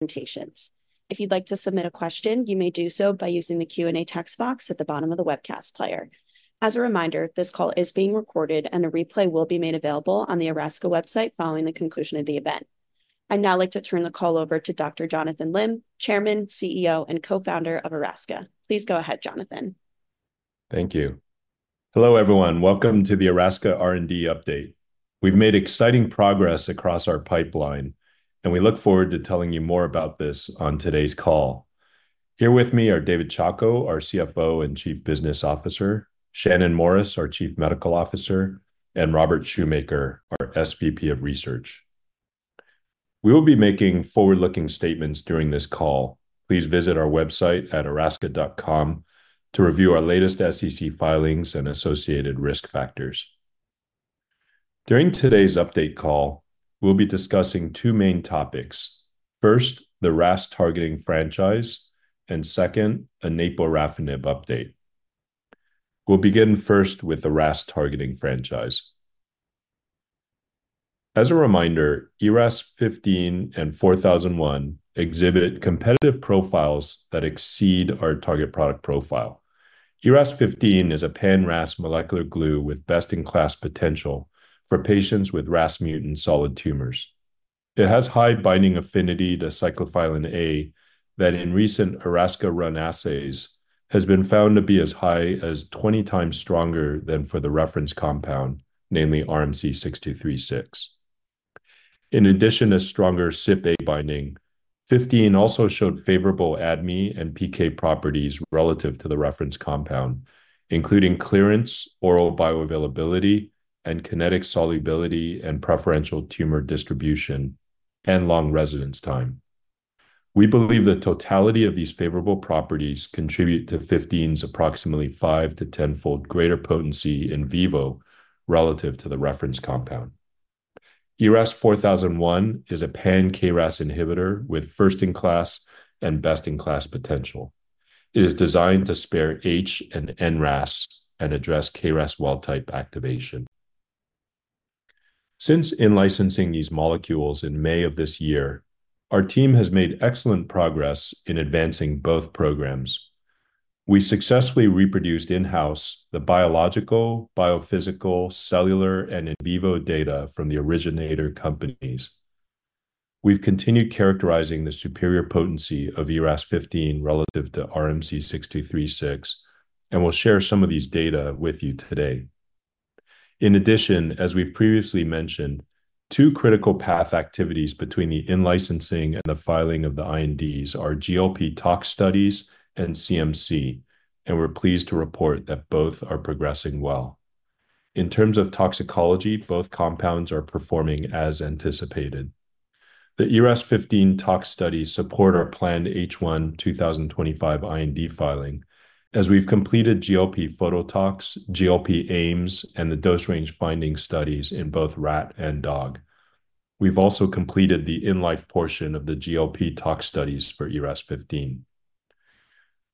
Presentations. If you'd like to submit a question, you may do so by using the Q&A text box at the bottom of the webcast player. As a reminder, this call is being recorded, and a replay will be made available on the Erasca website following the conclusion of the event. I'd now like to turn the call over to Dr. Jonathan Lim, Chairman, CEO, and Co-Founder of Erasca. Please go ahead, Jonathan. Thank you. Hello, everyone. Welcome to the Erasca R&D Update. We've made exciting progress across our pipeline, and we look forward to telling you more about this on today's call. Here with me are David Chacko, our CFO and Chief Business Officer, Shannon Morris, our Chief Medical Officer, and Robert Shoemaker, our SVP of Research. We will be making forward-looking statements during this call. Please visit our website at erasca.com to review our latest SEC filings and associated risk factors. During today's update call, we'll be discussing two main topics. First, the RAS targeting franchise, and second, a naporafenib update. We'll begin first with the RAS targeting franchise. As a reminder, ERAS-0015 and 4001 exhibit competitive profiles that exceed our target product profile. ERAS-0015 is a pan-RAS molecular glue with best-in-class potential for patients with RAS mutant solid tumors. It has high binding affinity to cyclophilin A that, in recent Erasca-run assays, has been found to be as high as 20 times stronger than for the reference compound, namely RMC-6236. In addition to stronger CypA binding, fifteen also showed favorable ADME and PK properties relative to the reference compound, including clearance, oral bioavailability, and kinetic solubility, and preferential tumor distribution, and long residence time. We believe the totality of these favorable properties contribute to 0015's approximately 5- to 10-fold greater potency in vivo relative to the reference compound. ERAS-4001 is a pan-KRAS inhibitor with first-in-class and best-in-class potential. It is designed to spare H and N RAS and address KRAS wild-type activation. Since in-licensing these molecules in May of this year, our team has made excellent progress in advancing both programs. We successfully reproduced in-house the biological, biophysical, cellular, and in vivo data from the originator companies. We've continued characterizing the superior potency of ERAS-0015 relative to RMC-6236, and we'll share some of these data with you today. In addition, as we've previously mentioned, two critical path activities between the in-licensing and the filing of the INDs are GLP tox studies and CMC, and we're pleased to report that both are progressing well. In terms of toxicology, both compounds are performing as anticipated. The ERAS-0015 tox studies support our planned H1 2025 IND filing. As we've completed GLP phototox, GLP Ames, and the dose range finding studies in both rat and dog. We've also completed the in-life portion of the GLP tox studies for ERAS-0015.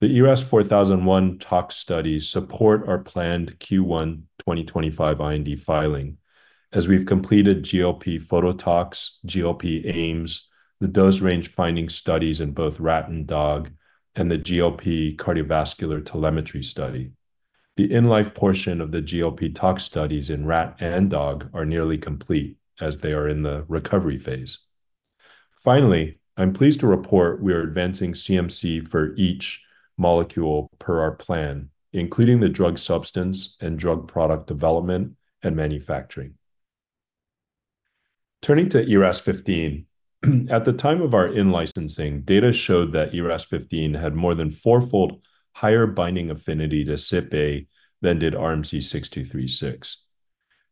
The ERAS-4001 tox studies support our planned Q1 2025 IND filing. As we've completed GLP phototox, GLP Ames, the dose range finding studies in both rat and dog, and the GLP cardiovascular telemetry study. The in-life portion of the GLP tox studies in rat and dog are nearly complete, as they are in the recovery phase. Finally, I'm pleased to report we are advancing CMC for each molecule per our plan, including the drug substance and drug product development and manufacturing. Turning to ERAS-0015, at the time of our in-licensing, data showed that ERAS-0015 had more than four-fold higher binding affinity to CypA than did RMC-6236.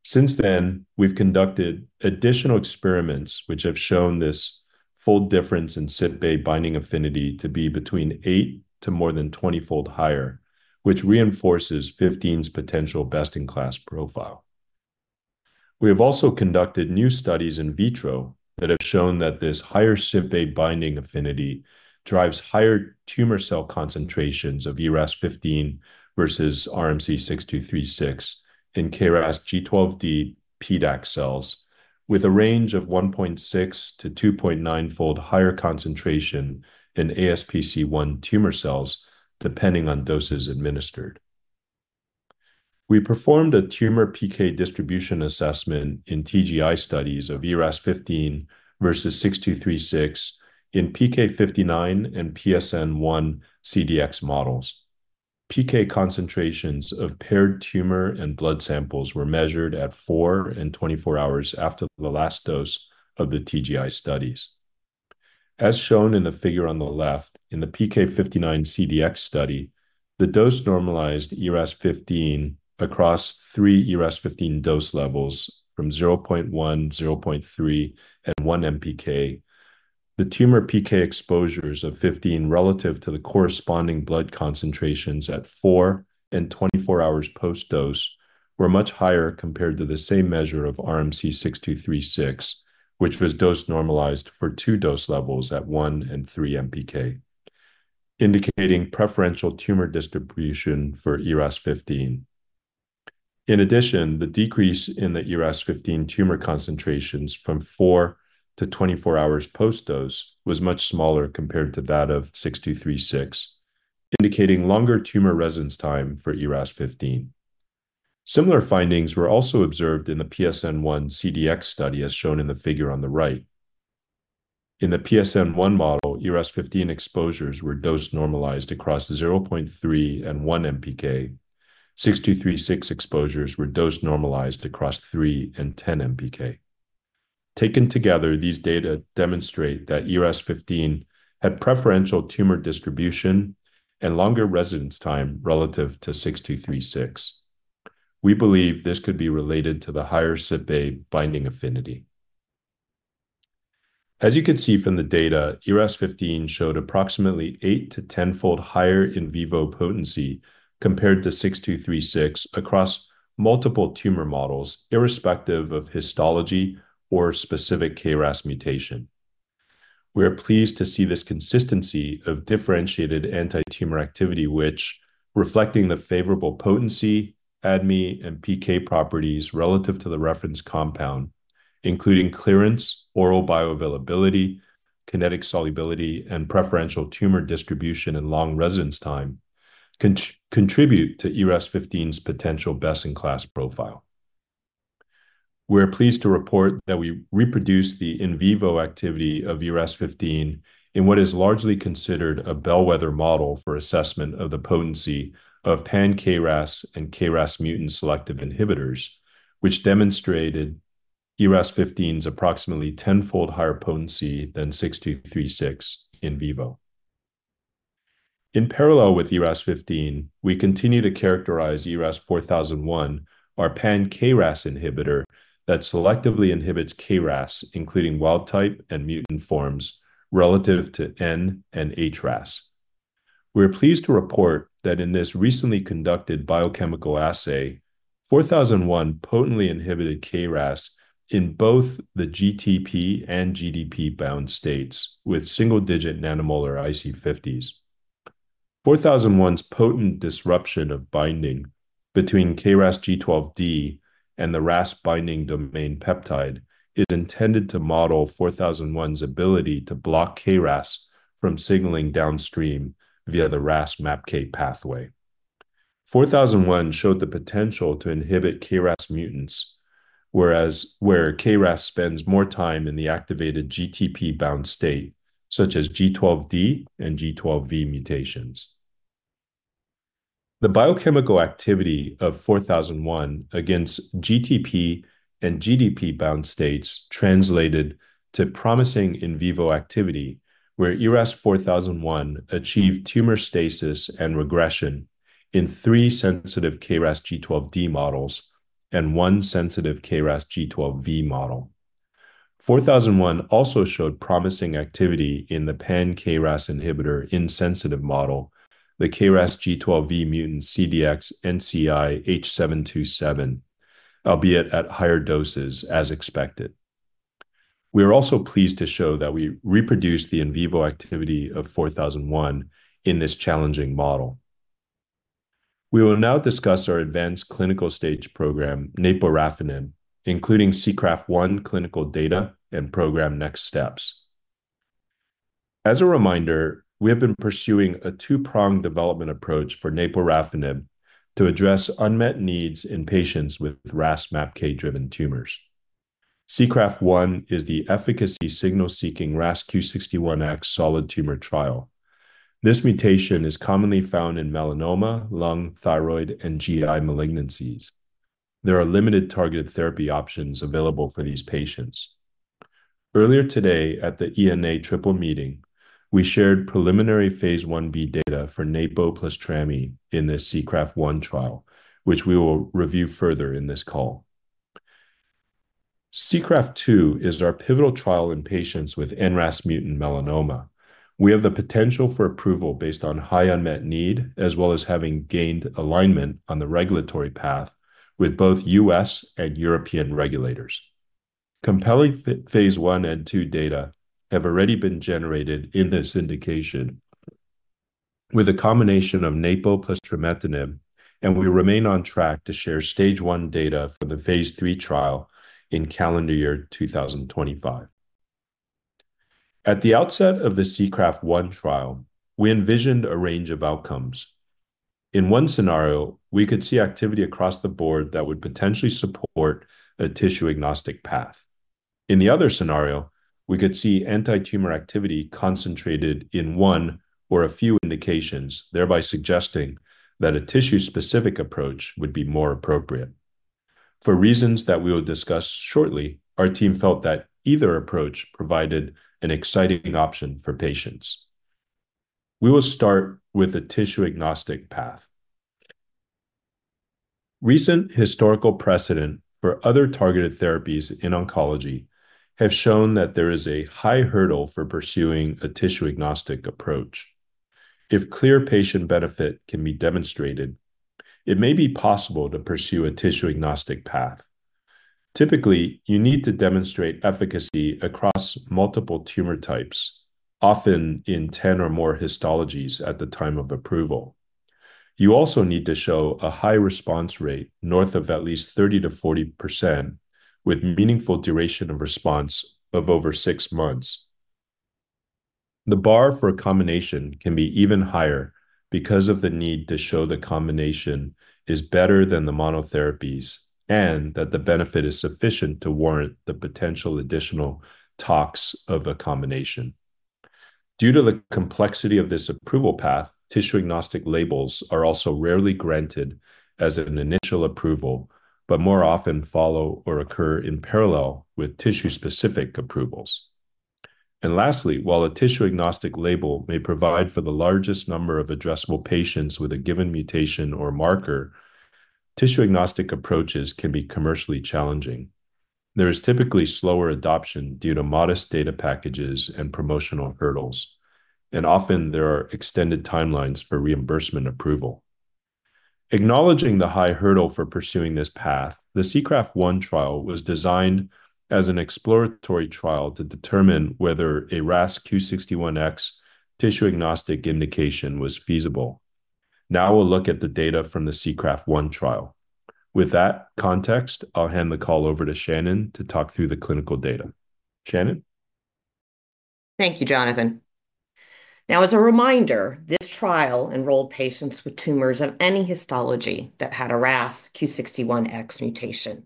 Since then, we've conducted additional experiments which have shown this fold difference in CypA binding affinity to be between eight- to more than twenty-fold higher, which reinforces fifteen's potential best-in-class profile. We have also conducted new studies in vitro that have shown that this higher CypA binding affinity drives higher tumor cell concentrations of ERAS-0015 versus RMC-6236 in KRAS G12D PDAC cells, with a range of 1.6-2.9-fold higher concentration in AsPC-1 tumor cells, depending on doses administered. We performed a tumor PK distribution assessment in TGI studies of ERAS-0015 versus RMC-6236 in PK-59 and PSN-1 CDX models. PK concentrations of paired tumor and blood samples were measured at 4 and 24 hours after the last dose of the TGI studies. As shown in the figure on the left, in the PK-59 CDX study, the dose-normalized ERAS-0015 across three ERAS-0015 dose levels from 0.1, 0.3, and 1 MPK. The tumor PK exposures of fifteen relative to the corresponding blood concentrations at four and 24 hours post-dose were much higher compared to the same measure of RMC-6236, which was dose-normalized for two dose levels at one and three MPK, indicating preferential tumor distribution for ERAS-0015. In addition, the decrease in the ERAS-0015 tumor concentrations from four to 24 hours post-dose was much smaller compared to that of 6236, indicating longer tumor residence time for ERAS-0015. Similar findings were also observed in the PSN-1 CDX study, as shown in the figure on the right. In the PSN-1 model, ERAS-0015 exposures were dose-normalized across 0.3 and one MPK. 6236 exposures were dose-normalized across three and 10 MPK. Taken together, these data demonstrate that ERAS-0015 had preferential tumor distribution and longer residence time relative to 6236. We believe this could be related to the higher CypA binding affinity. As you can see from the data, ERAS-0015 showed approximately eight to 10-fold higher in vivo potency compared to 6236 across multiple tumor models, irrespective of histology or specific KRAS mutation. We are pleased to see this consistency of differentiated anti-tumor activity, which, reflecting the favorable potency, ADME, and PK properties relative to the reference compound, including clearance, oral bioavailability, kinetic solubility, and preferential tumor distribution and long residence time, contribute to ERAS fifteen's potential best-in-class profile. We're pleased to report that we reproduced the in vivo activity of ERAS-0015 in what is largely considered a bellwether model for assessment of the potency of pan-KRAS and KRAS mutant-selective inhibitors, which demonstrated ERAS-0015's approximately tenfold higher potency than RMC-6236 in vivo. In parallel with ERAS-0015, we continue to characterize ERAS-4001, our pan-KRAS inhibitor that selectively inhibits KRAS, including wild type and mutant forms relative to NRAS and HRAS. We are pleased to report that in this recently conducted biochemical assay, ERAS-4001 potently inhibited KRAS in both the GTP and GDP-bound states with single-digit nanomolar IC50s. ERAS-4001's potent disruption of binding between KRAS G12D and the RAS binding domain peptide is intended to model ERAS-4001's ability to block KRAS from signaling downstream via the RAS MAPK pathway. ERAS-4001 showed the potential to inhibit KRAS mutants, whereas where KRAS spends more time in the activated GTP-bound state, such as G12D and G12V mutations. The biochemical activity of ERAS-4001 against GTP and GDP-bound states translated to promising in vivo activity, where ERAS-4001 achieved tumor stasis and regression in three sensitive KRAS G12D models and one sensitive KRAS G12V model. ERAS-4001 also showed promising activity in the pan-KRAS inhibitor-insensitive model, the KRAS G12V mutant CDX-NCI-H727, albeit at higher doses, as expected. We are also pleased to show that we reproduced the in vivo activity of ERAS-4001 in this challenging model. We will now discuss our advanced clinical-stage program, naporafenib, including SEACRAFT-1 clinical data and program next steps. As a reminder, we have been pursuing a two-pronged development approach for naporafenib to address unmet needs in patients with RAS MAPK-driven tumors. SEACRAFT-1 is the efficacy signal-seeking RAS Q61X solid tumor trial. This mutation is commonly found in melanoma, lung, thyroid, and GI malignancies. There are limited targeted therapy options available for these patients. Earlier today, at the ENA Triple Meeting, we shared preliminary phase I-B data for naporafenib plus trametinib in this SEACRAFT-1 trial, which we will review further in this call. SEACRAFT-2 is our pivotal trial in patients with NRAS-mutant melanoma. We have the potential for approval based on high unmet need, as well as having gained alignment on the regulatory path with both United States and European regulators. Compelling phase I and II data have already been generated in this indication with a combination of naporafenib plus trametinib, and we remain on track to share stage I data for the phase III trial in calendar year 2025. At the outset of the SEACRAFT-1 trial, we envisioned a range of outcomes. In one scenario, we could see activity across the board that would potentially support a tissue-agnostic path. In the other scenario, we could see anti-tumor activity concentrated in one or a few indications, thereby suggesting that a tissue-specific approach would be more appropriate. For reasons that we will discuss shortly, our team felt that either approach provided an exciting option for patients. We will start with the tissue-agnostic path. Recent historical precedent for other targeted therapies in oncology have shown that there is a high hurdle for pursuing a tissue-agnostic approach. If clear patient benefit can be demonstrated, it may be possible to pursue a tissue-agnostic path. Typically, you need to demonstrate efficacy across multiple tumor types, often in ten or more histologies at the time of approval. You also need to show a high response rate north of at least 30%-40%, with meaningful duration of response of over six months. The bar for a combination can be even higher because of the need to show the combination is better than the monotherapies and that the benefit is sufficient to warrant the potential additional talks of a combination. Due to the complexity of this approval path, tissue-agnostic labels are also rarely granted as an initial approval, but more often follow or occur in parallel with tissue-specific approvals. Lastly, while a tissue-agnostic label may provide for the largest number of addressable patients with a given mutation or marker, tissue-agnostic approaches can be commercially challenging. There is typically slower adoption due to modest data packages and promotional hurdles, and often there are extended timelines for reimbursement approval. Acknowledging the high hurdle for pursuing this path, the SEACRAFT-1 trial was designed as an exploratory trial to determine whether a RAS Q61X tissue-agnostic indication was feasible. Now we'll look at the data from the SEACRAFT-1 trial. With that context, I'll hand the call over to Shannon to talk through the clinical data. Shannon? Thank you, Jonathan. Now, as a reminder, this trial enrolled patients with tumors of any histology that had a RAS Q61X mutation.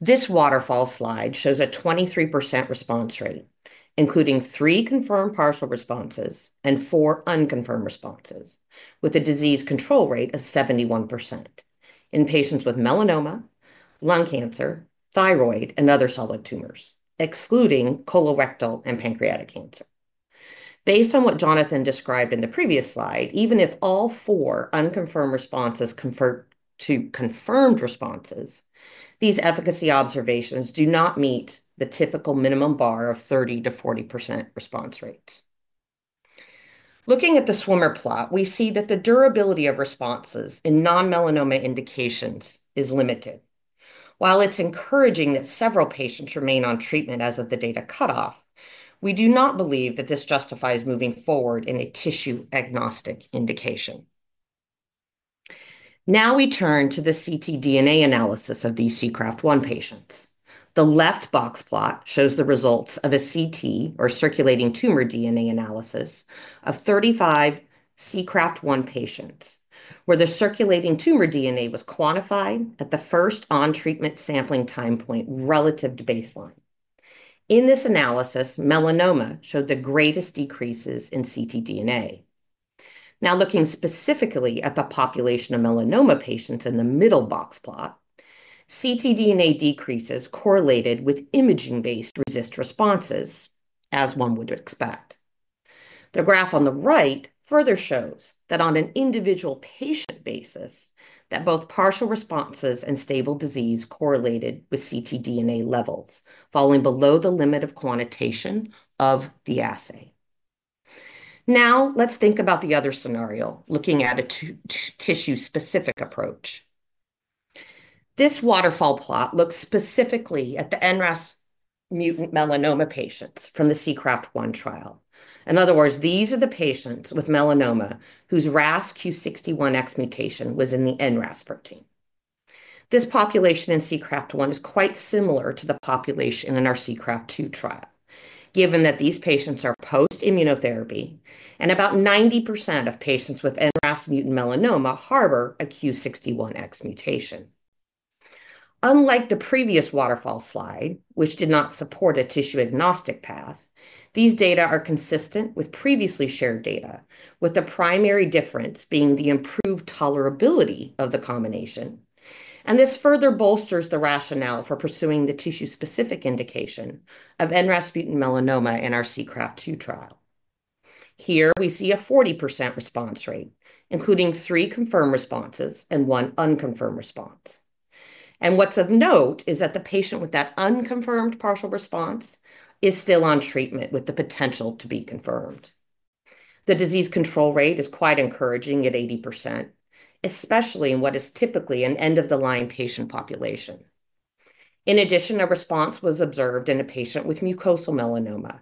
This waterfall slide shows a 23% response rate, including three confirmed partial responses and four unconfirmed responses, with a disease control rate of 71% in patients with melanoma, lung cancer, thyroid, and other solid tumors, excluding colorectal and pancreatic cancer. Based on what Jonathan described in the previous slide, even if all four unconfirmed responses convert to confirmed responses, these efficacy observations do not meet the typical minimum bar of 30%-40% response rates. Looking at the swimmer plot, we see that the durability of responses in non-melanoma indications is limited. While it's encouraging that several patients remain on treatment as of the data cutoff, we do not believe that this justifies moving forward in a tissue-agnostic indication. Now we turn to the ctDNA analysis of these SEACRAFT-1 patients. The left box plot shows the results of a ctDNA or circulating tumor DNA analysis of 35 SEACRAFT-1 patients, where the circulating tumor DNA was quantified at the first on-treatment sampling time point relative to baseline. In this analysis, melanoma showed the greatest decreases in ctDNA. Now, looking specifically at the population of melanoma patients in the middle box plot, ctDNA decreases correlated with imaging-based RECIST responses, as one would expect. The graph on the right further shows that on an individual patient basis, that both partial responses and stable disease correlated with ctDNA levels, falling below the limit of quantitation of the assay. Now, let's think about the other scenario, looking at a tissue-specific approach. This waterfall plot looks specifically at the NRAS mutant melanoma patients from the SEACRAFT-1 trial. In other words, these are the patients with melanoma whose RAS Q61X mutation was in the NRAS protein. This population in SEACRAFT-1 is quite similar to the population in our SEACRAFT-2 trial, given that these patients are post-immunotherapy and about 90% of patients with NRAS mutant melanoma harbor a Q61X mutation. Unlike the previous waterfall slide, which did not support a tissue-agnostic path, these data are consistent with previously shared data, with the primary difference being the improved tolerability of the combination. And this further bolsters the rationale for pursuing the tissue-specific indication of NRAS mutant melanoma in our SEACRAFT-2 trial. Here we see a 40% response rate, including three confirmed responses and one unconfirmed response. And what's of note is that the patient with that unconfirmed partial response is still on treatment, with the potential to be confirmed. The disease control rate is quite encouraging at 80%, especially in what is typically an end-of-the-line patient population. In addition, a response was observed in a patient with mucosal melanoma,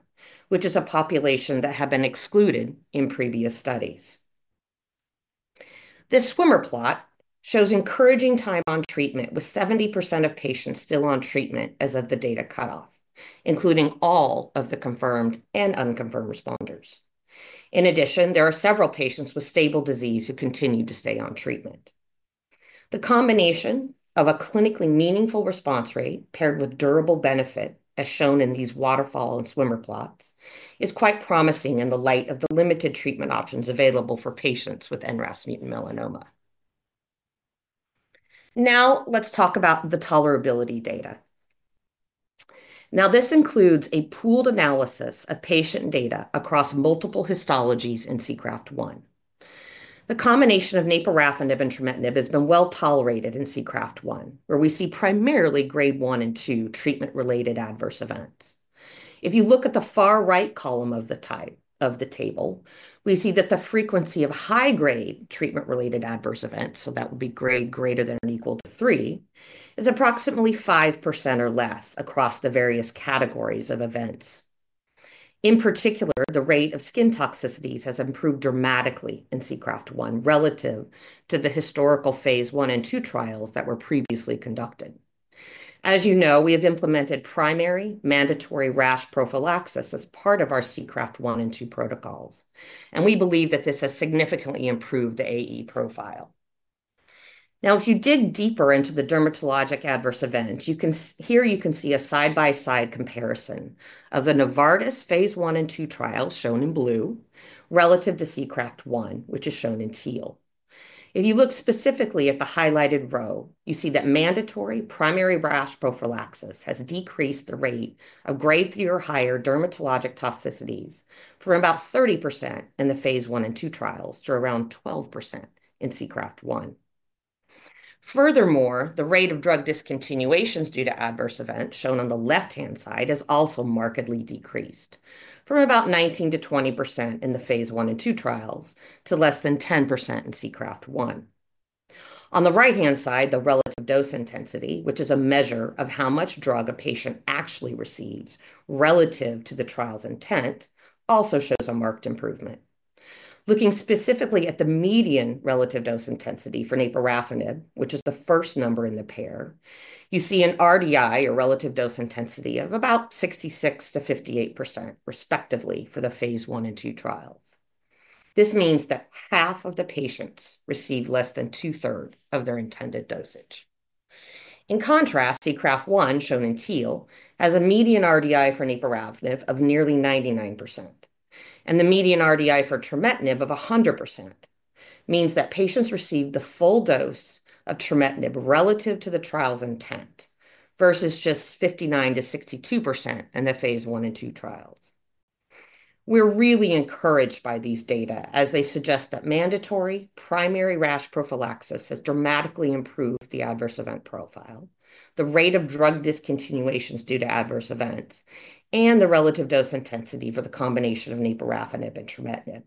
which is a population that had been excluded in previous studies. This swimmer plot shows encouraging time on treatment, with 70% of patients still on treatment as of the data cutoff, including all of the confirmed and unconfirmed responders. In addition, there are several patients with stable disease who continue to stay on treatment. The combination of a clinically meaningful response rate paired with durable benefit, as shown in these waterfall and swimmer plots, is quite promising in the light of the limited treatment options available for patients with NRAS mutant melanoma. Now, let's talk about the tolerability data. Now, this includes a pooled analysis of patient data across multiple histologies in SEACRAFT-1. The combination of naporafenib and trametinib has been well tolerated in SEACRAFT-1, where we see primarily grade 1 and 2 treatment-related adverse events. If you look at the far right column of the table, we see that the frequency of high-grade treatment-related adverse events, so that would be grade greater than or equal to three, is approximately 5% or less across the various categories of events. In particular, the rate of skin toxicities has improved dramatically in SEACRAFT-1 relative to the historical phase I and II trials that were previously conducted. As you know, we have implemented primary mandatory rash prophylaxis as part of our SEACRAFT-1 and 2 protocols, and we believe that this has significantly improved the AE profile. Now, if you dig deeper into the dermatologic adverse events, you can see a side-by-side comparison of the Novartis phase I and II trials, shown in blue, relative to SEACRAFT-1, which is shown in teal. If you look specifically at the highlighted row, you see that mandatory primary rash prophylaxis has decreased the rate of grade three or higher dermatologic toxicities from about 30% in the phase I and II trials to around 12% in SEACRAFT-1. Furthermore, the rate of drug discontinuations due to adverse events, shown on the left-hand side, has also markedly decreased from about 19%-20% in the phase I and II trials to less than 10% in SEACRAFT-1. On the right-hand side, the relative dose intensity, which is a measure of how much drug a patient actually receives relative to the trial's intent, also shows a marked improvement. Looking specifically at the median relative dose intensity for naporafenib, which is the first number in the pair, you see an RDI, or relative dose intensity, of about 66%-58%, respectively, for the phase I and II trials. This means that half of the patients receive less than two-thirds of their intended dosage. In contrast, SEACRAFT-1, shown in teal, has a median RDI for naporafenib of nearly 99%, and the median RDI for trametinib of 100% means that patients received the full dose of trametinib relative to the trial's intent, versus just 59%-62% in the phase I and II trials. We're really encouraged by these data, as they suggest that mandatory primary rash prophylaxis has dramatically improved the adverse event profile, the rate of drug discontinuations due to adverse events, and the relative dose intensity for the combination of naporafenib and trametinib.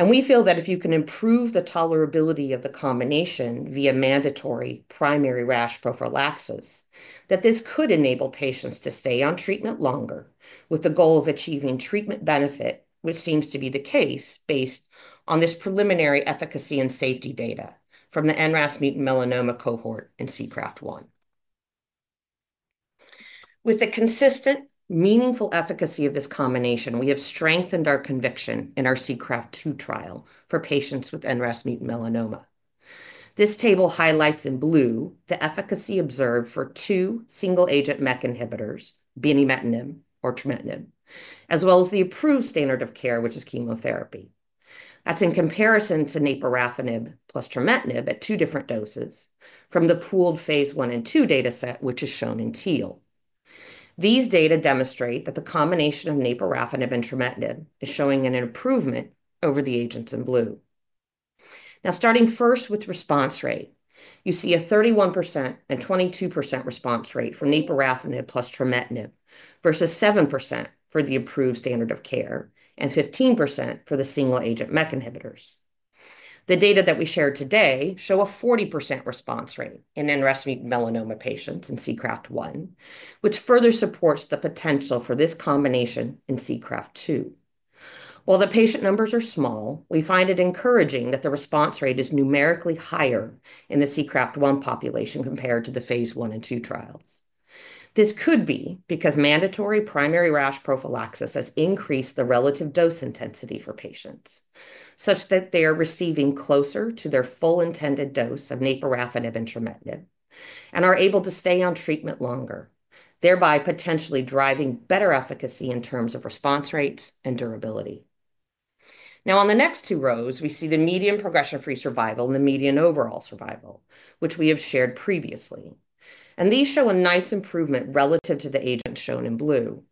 And we feel that if you can improve the tolerability of the combination via mandatory primary rash prophylaxis, that this could enable patients to stay on treatment longer, with the goal of achieving treatment benefit, which seems to be the case based on this preliminary efficacy and safety data from the NRAS mutant melanoma cohort in SEACRAFT-1. With the consistent, meaningful efficacy of this combination, we have strengthened our conviction in our SEACRAFT-2 trial for patients with NRAS mutant melanoma. This table highlights in blue the efficacy observed for two single-agent MEK inhibitors, binimetinib or trametinib, as well as the approved standard of care, which is chemotherapy. That's in comparison to naporafenib plus trametinib at two different doses from the pooled phase I and II dataset, which is shown in teal. These data demonstrate that the combination of naporafenib and trametinib is showing an improvement over the agents in blue. Now, starting first with response rate, you see a 31% and 22% response rate for naporafenib plus trametinib, versus 7% for the approved standard of care and 15% for the single-agent MEK inhibitors. The data that we shared today show a 40% response rate in NRAS mutant melanoma patients in SEACRAFT-1, which further supports the potential for this combination in SEACRAFT-2. While the patient numbers are small, we find it encouraging that the response rate is numerically higher in the SEACRAFT-1 population compared to the phase I and II trials. This could be because mandatory primary rash prophylaxis has increased the relative dose intensity for patients, such that they are receiving closer to their full intended dose of naporafenib and trametinib and are able to stay on treatment longer, thereby potentially driving better efficacy in terms of response rates and durability. Now, on the next two rows, we see the median progression-free survival and the median overall survival, which we have shared previously. These show a nice improvement relative to the agent shown in blue.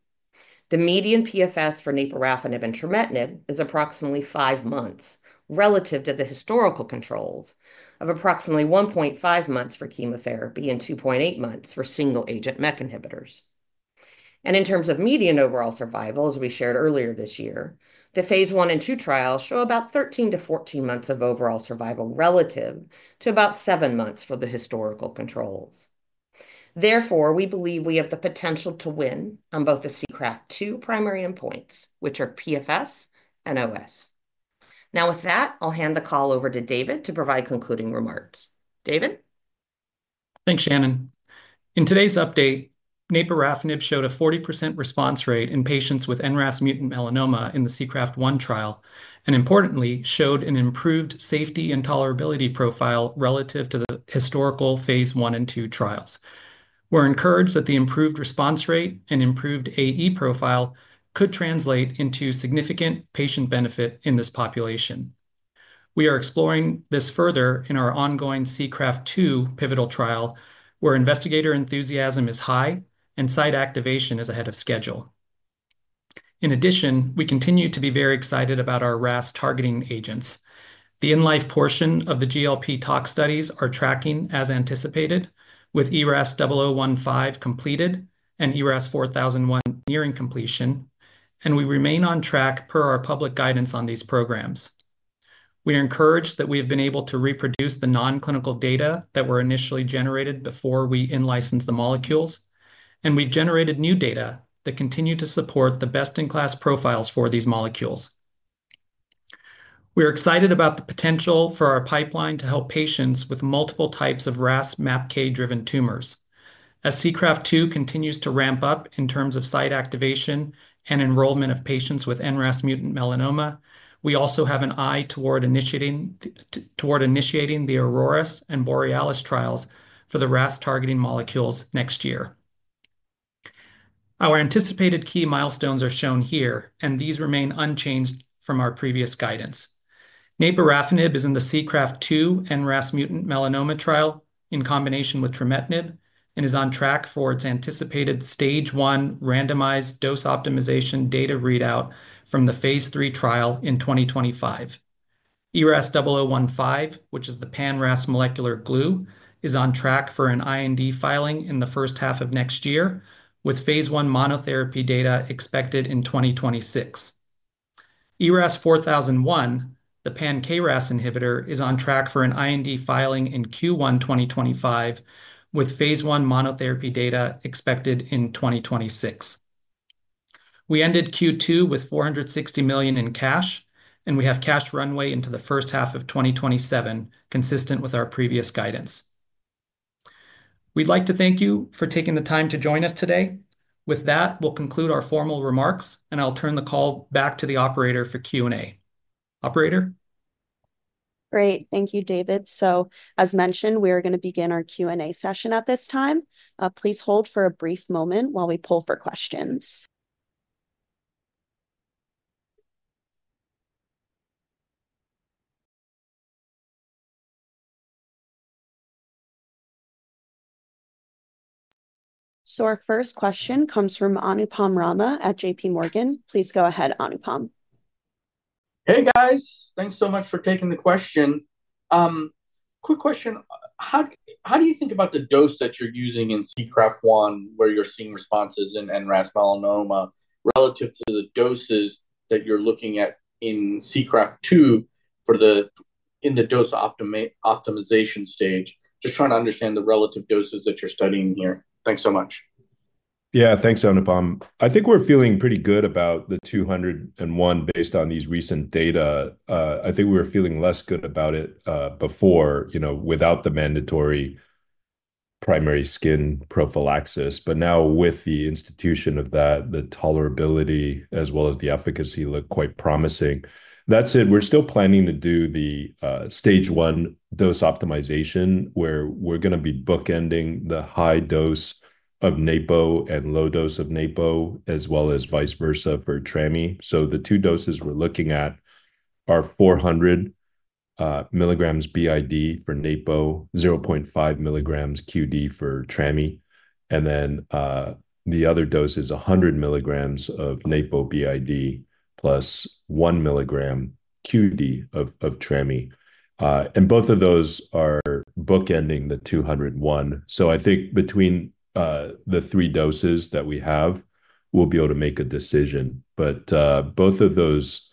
The median PFS for naporafenib and trametinib is approximately five months, relative to the historical controls of approximately one point five months for chemotherapy and two point eight months for single-agent MEK inhibitors. In terms of median overall survival, as we shared earlier this year, the phase I and II trials show about 13-14 months of overall survival, relative to about seven months for the historical controls. Therefore, we believe we have the potential to win on both the SEACRAFT-2 primary endpoints, which are PFS and OS. Now, with that, I'll hand the call over to David to provide concluding remarks. David? Thanks, Shannon. In today's update, naporafenib showed a 40% response rate in patients with NRAS mutant melanoma in the SEACRAFT-1 trial and, importantly, showed an improved safety and tolerability profile relative to the historical phase I and II trials. We're encouraged that the improved response rate and improved AE profile could translate into significant patient benefit in this population. We are exploring this further in our ongoing SEACRAFT-2 pivotal trial, where investigator enthusiasm is high and site activation is ahead of schedule. In addition, we continue to be very excited about our RAS-targeting agents. The in-life portion of the GLP tox studies are tracking as anticipated, with ERAS-0015 completed and ERAS-4001 nearing completion, and we remain on track per our public guidance on these programs. We are encouraged that we have been able to reproduce the non-clinical data that were initially generated before we in-licensed the molecules, and we've generated new data that continue to support the best-in-class profiles for these molecules. We are excited about the potential for our pipeline to help patients with multiple types of RAS/MAPK-driven tumors. As SEACRAFT-2 continues to ramp up in terms of site activation and enrollment of patients with NRAS-mutant melanoma, we also have an eye toward initiating the AURORAS and BOREALIS trials for the RAS-targeting molecules next year. Our anticipated key milestones are shown here, and these remain unchanged from our previous guidance. Naporafenib is in the SEACRAFT-2 NRAS-mutant melanoma trial in combination with trametinib and is on track for its anticipated stage I randomized dose optimization data readout from the phase III trial in 2025. ERAS-0015, which is the pan-RAS molecular glue, is on track for an IND filing in the first half of next year, with phase I monotherapy data expected in 2026. ERAS-4001, the pan-KRAS inhibitor, is on track for an IND filing in Q1 2025, with phase I monotherapy data expected in 2026. We ended Q2 with $460 million in cash, and we have cash runway into the first half of 2027, consistent with our previous guidance. We'd like to thank you for taking the time to join us today. With that, we'll conclude our formal remarks, and I'll turn the call back to the operator for Q&A. Operator? Great. Thank you, David. So as mentioned, we are gonna begin our Q&A session at this time. Please hold for a brief moment while we poll for questions. So our first question comes from Anupam Rama at J.P. Morgan. Please go ahead, Anupam. Hey, guys. Thanks so much for taking the question. Quick question. How do you think about the dose that you're using in SEACRAFT-1, where you're seeing responses in NRAS melanoma, relative to the doses that you're looking at in SEACRAFT-2 in the dose optimization stage? Just trying to understand the relative doses that you're studying here. Thanks so much. Yeah. Thanks, Anupam. I think we're feeling pretty good about the 200/1 based on these recent data. I think we were feeling less good about it, before, you know, without the mandatory primary skin prophylaxis. But now with the institution of that, the tolerability as well as the efficacy look quite promising. That said, we're still planning to do the Stage I dose optimization, where we're gonna be bookending the high dose of napo and low dose of napo, as well as vice versa for trami. So the two doses we're looking at are 400 milligrams BID for napo, 0.5 milligrams QD for trami, and then the other dose is 100 milligrams of napo BID plus 1 milligram QD of trami, and both of those are bookending the 200/1. So I think between the three doses that we have, we'll be able to make a decision. But both of those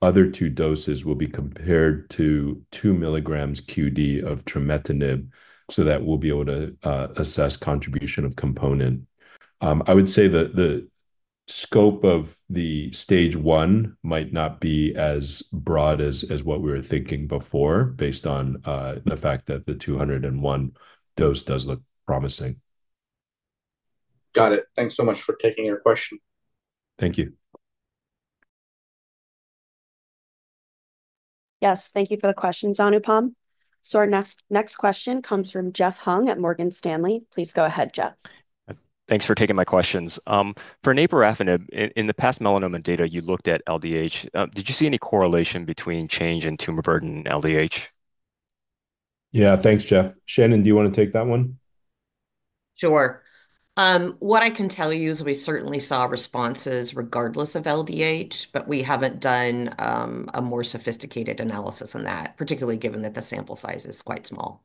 other two doses will be compared to two milligrams QD of trametinib, so that we'll be able to assess contribution of component. I would say that the scope of the Stage I might not be as broad as what we were thinking before, based on the fact that the 200/1 dose does look promising. Got it. Thanks so much for taking our question. Thank you. Yes, thank you for the questions, Anupam. So our next question comes from Jeff Hung at Morgan Stanley. Please go ahead, Jeff. Thanks for taking my questions. For naporafenib, in the past melanoma data, you looked at LDH. Did you see any correlation between change in tumor burden in LDH? Yeah. Thanks, Jeff. Shannon, do you wanna take that one? Sure. What I can tell you is we certainly saw responses regardless of LDH, but we haven't done a more sophisticated analysis on that, particularly given that the sample size is quite small.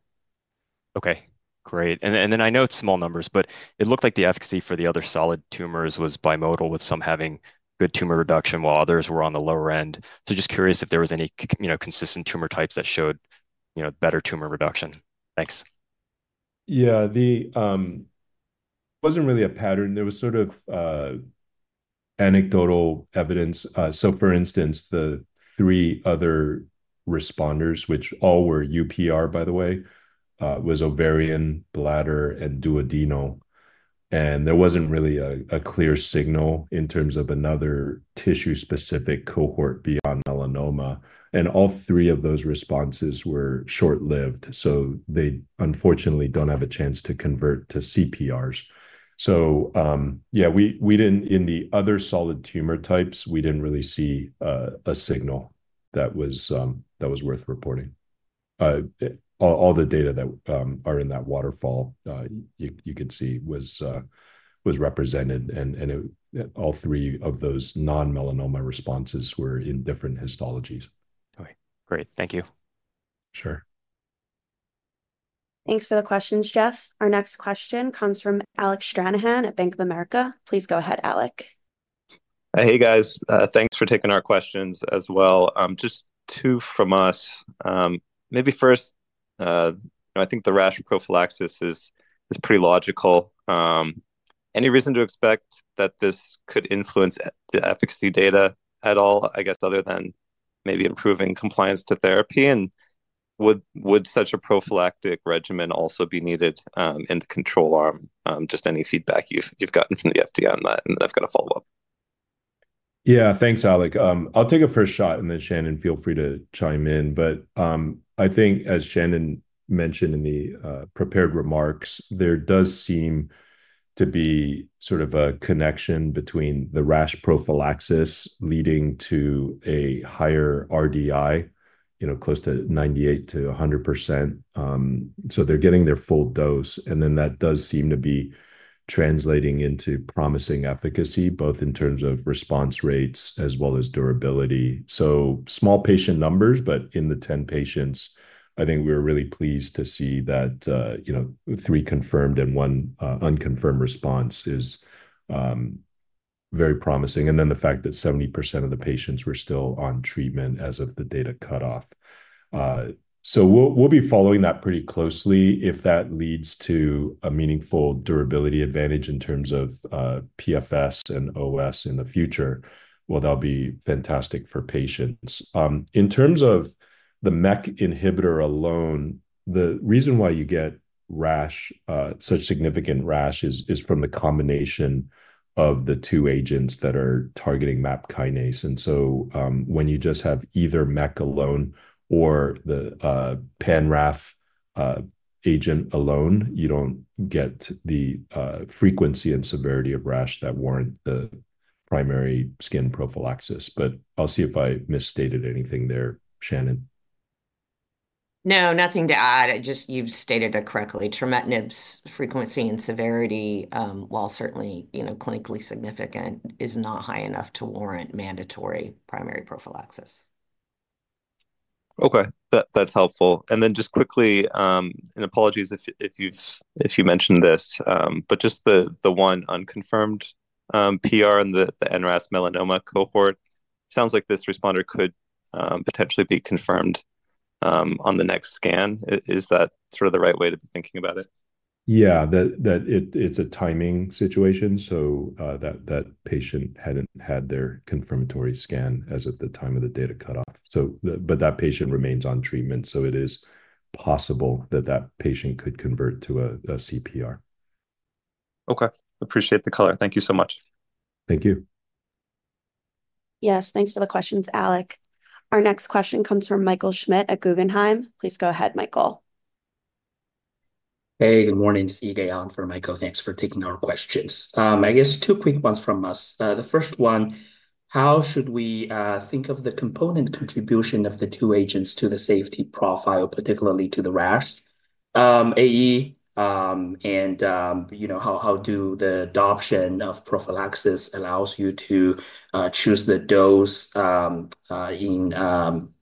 Okay, great. And then I know it's small numbers, but it looked like the efficacy for the other solid tumors was bimodal, with some having good tumor reduction while others were on the lower end. So just curious if there was any, you know, consistent tumor types that showed, you know, better tumor reduction. Thanks. Yeah, there wasn't really a pattern. There was sort of anecdotal evidence. So for instance, the three other responders, which all were UPR, by the way, were ovarian, bladder, and duodenal, and there wasn't really a clear signal in terms of another tissue-specific cohort beyond melanoma, and all three of those responses were short-lived, so they unfortunately don't have a chance to convert to CPRs. So, yeah, we didn't, in the other solid tumor types, we didn't really see a signal that was worth reporting. All the data that are in that waterfall you could see was represented, and all three of those non-melanoma responses were in different histologies. Okay, great. Thank you. Sure. ... Thanks for the questions, Jeff. Our next question comes from Alec Stranahan at Bank of America. Please go ahead, Alec. Hey, guys. Thanks for taking our questions as well. Just two from us. Maybe first, I think the rash prophylaxis is pretty logical. Any reason to expect that this could influence the efficacy data at all, I guess, other than maybe improving compliance to therapy? And would such a prophylactic regimen also be needed in the control arm? Just any feedback you've gotten from the FDA on that, and then I've got a follow-up. Yeah. Thanks, Alec. I'll take a first shot, and then, Shannon, feel free to chime in. But, I think, as Shannon mentioned in the prepared remarks, there does seem to be sort of a connection between the rash prophylaxis leading to a higher RDI, you know, close to 98% to 100%. So they're getting their full dose, and then that does seem to be translating into promising efficacy, both in terms of response rates as well as durability. So small patient numbers, but in the 10 patients, I think we were really pleased to see that, you know, three confirmed and one unconfirmed response is very promising, and then the fact that 70% of the patients were still on treatment as of the data cutoff. So we'll be following that pretty closely. If that leads to a meaningful durability advantage in terms of PFS and OS in the future, well, that'll be fantastic for patients. In terms of the MEK inhibitor alone, the reason why you get rash, such significant rash is from the combination of the two agents that are targeting MAP kinase. And so, when you just have either MEK alone or the pan-RAF agent alone, you don't get the frequency and severity of rash that warrant the primary skin prophylaxis, but I'll see if I misstated anything there, Shannon. No, nothing to add. Just you've stated it correctly. Trametinib's frequency and severity, while certainly, you know, clinically significant, is not high enough to warrant mandatory primary prophylaxis. Okay, that, that's helpful. And then just quickly, and apologies if you've mentioned this, but just the one unconfirmed PR in the NRAS melanoma cohort. Sounds like this responder could potentially be confirmed on the next scan. Is that sort of the right way to be thinking about it? Yeah. It's a timing situation. So, that patient hadn't had their confirmatory scan as at the time of the data cutoff. But that patient remains on treatment, so it is possible that that patient could convert to a CPR. Okay. Appreciate the color. Thank you so much. Thank you. Yes, thanks for the questions, Alec. Our next question comes from Michael Schmidt at Guggenheim. Please go ahead, Michael. Hey, good morning. It's Yigang for Michael. Thanks for taking our questions. I guess two quick ones from us. The first one, how should we think of the component contribution of the two agents to the safety profile, particularly to the rash, AE, and, you know, how does the adoption of prophylaxis allow you to choose the dose in the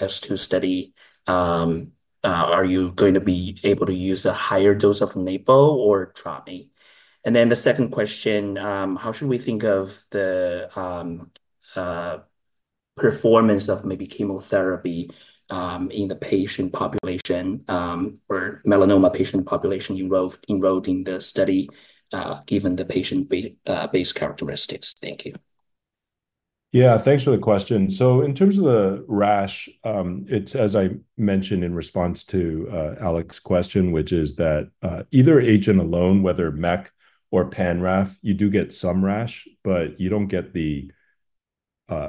H2 study? Are you going to be able to use a higher dose of napo or trami? And then the second question, how should we think of the performance of maybe chemotherapy in the patient population, or melanoma patient population enrolled in the study, given the patient base characteristics? Thank you. Yeah, thanks for the question. So in terms of the rash, it's as I mentioned in response to Alec's question, which is that either agent alone, whether MEK or pan RAF, you do get some rash, but you don't get the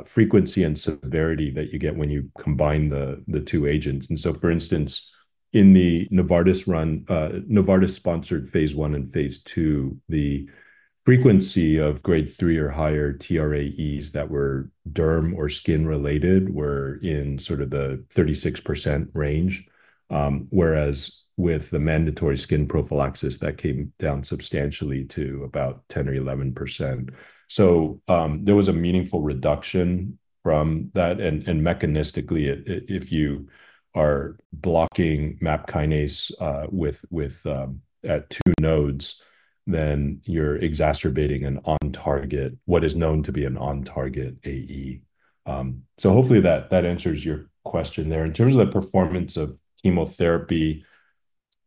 frequency and severity that you get when you combine the two agents. And so, for instance, in the Novartis-run Novartis-sponsored phase I and phase II, the frequency of grade three or higher TRAEs that were derm or skin-related were in sort of the 36% range. Whereas with the mandatory skin prophylaxis, that came down substantially to about 10% or 11%. So there was a meaningful reduction from that, and mechanistically, if you are blocking MAP kinase with at two nodes, then you're exacerbating an on-target what is known to be an on-target AE. So hopefully that answers your question there. In terms of the performance of chemotherapy,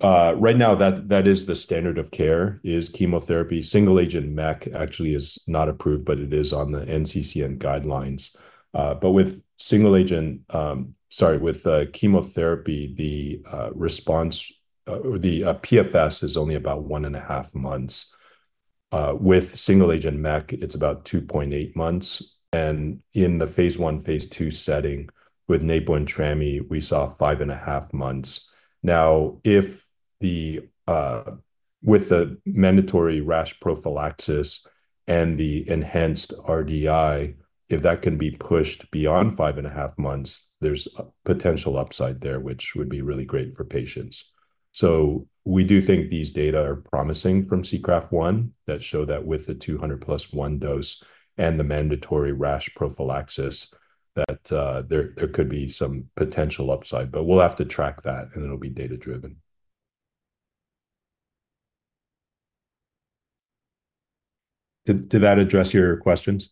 right now, that is the standard of care, is chemotherapy. Single-agent MEK actually is not approved, but it is on the NCCN guidelines. But with chemotherapy, the response or the PFS is only about one and a half months. With single-agent MEK, it's about two point eight months, and in the phase I, phase II setting with napo and trami, we saw five and a half months. Now, with the mandatory rash prophylaxis and the enhanced RDI, if that can be pushed beyond five and a half months, there's a potential upside there, which would be really great for patients. We do think these data are promising from SEACRAFT-1, that show that with the 200+1 dose and the mandatory rash prophylaxis that there could be some potential upside, but we'll have to track that, and it'll be data-driven. Did that address your questions?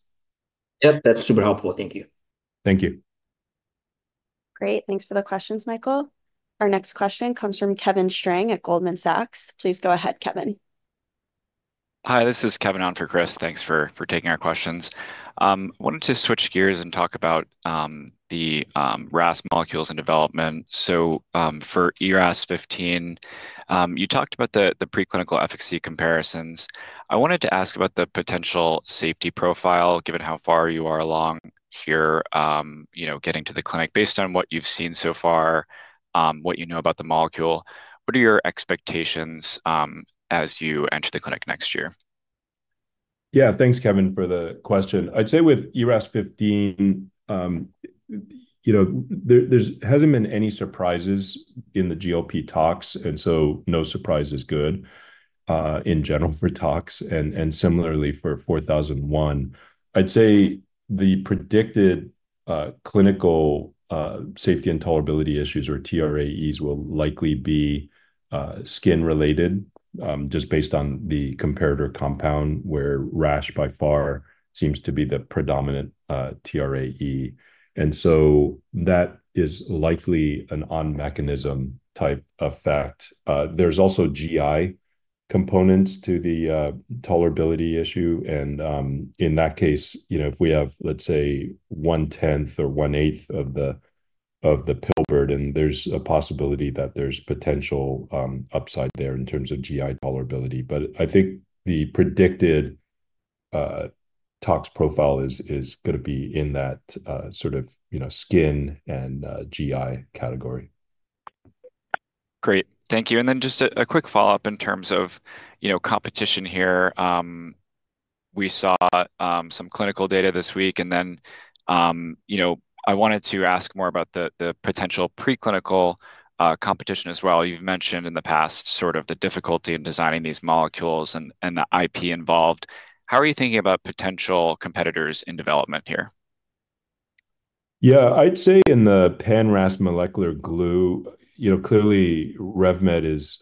Yep, that's super helpful. Thank you. Thank you. Great. Thanks for the questions, Michael. Our next question comes from Kevin Strang at Goldman Sachs. Please go ahead, Kevin. Hi, this is Kevin on for Chris. Thanks for taking our questions. Wanted to switch gears and talk about the RAS molecules and development. So, for ERAS-0015, you talked about the preclinical efficacy comparisons. I wanted to ask about the potential safety profile, given how far you are along here, you know, getting to the clinic. Based on what you've seen so far, what you know about the molecule, what are your expectations as you enter the clinic next year? Yeah. Thanks, Kevin, for the question. I'd say with ERAS-0015, you know, there, there's hasn't been any surprises in the GLP talks, and so no surprise is good, in general for talks and, and similarly for ERAS-4001. I'd say the predicted, clinical, safety and tolerability issues, or TRAEs, will likely be, skin-related, just based on the comparator compound, where rash by far seems to be the predominant, TRAE. And so that is likely an on-mechanism type effect. There's also GI components to the, tolerability issue, and, in that case, you know, if we have, let's say, one tenth or one eighth of the, of the potency, then there's a possibility that there's potential, upside there in terms of GI tolerability. But I think the predicted toxicity profile is gonna be in that sort of, you know, skin and GI category. Great. Thank you. And then just a quick follow-up in terms of, you know, competition here. We saw some clinical data this week, and then, you know, I wanted to ask more about the potential preclinical competition as well. You've mentioned in the past sort of the difficulty in designing these molecules and the IP involved. How are you thinking about potential competitors in development here? Yeah, I'd say in the pan RAS molecular glue, you know, clearly RevMed is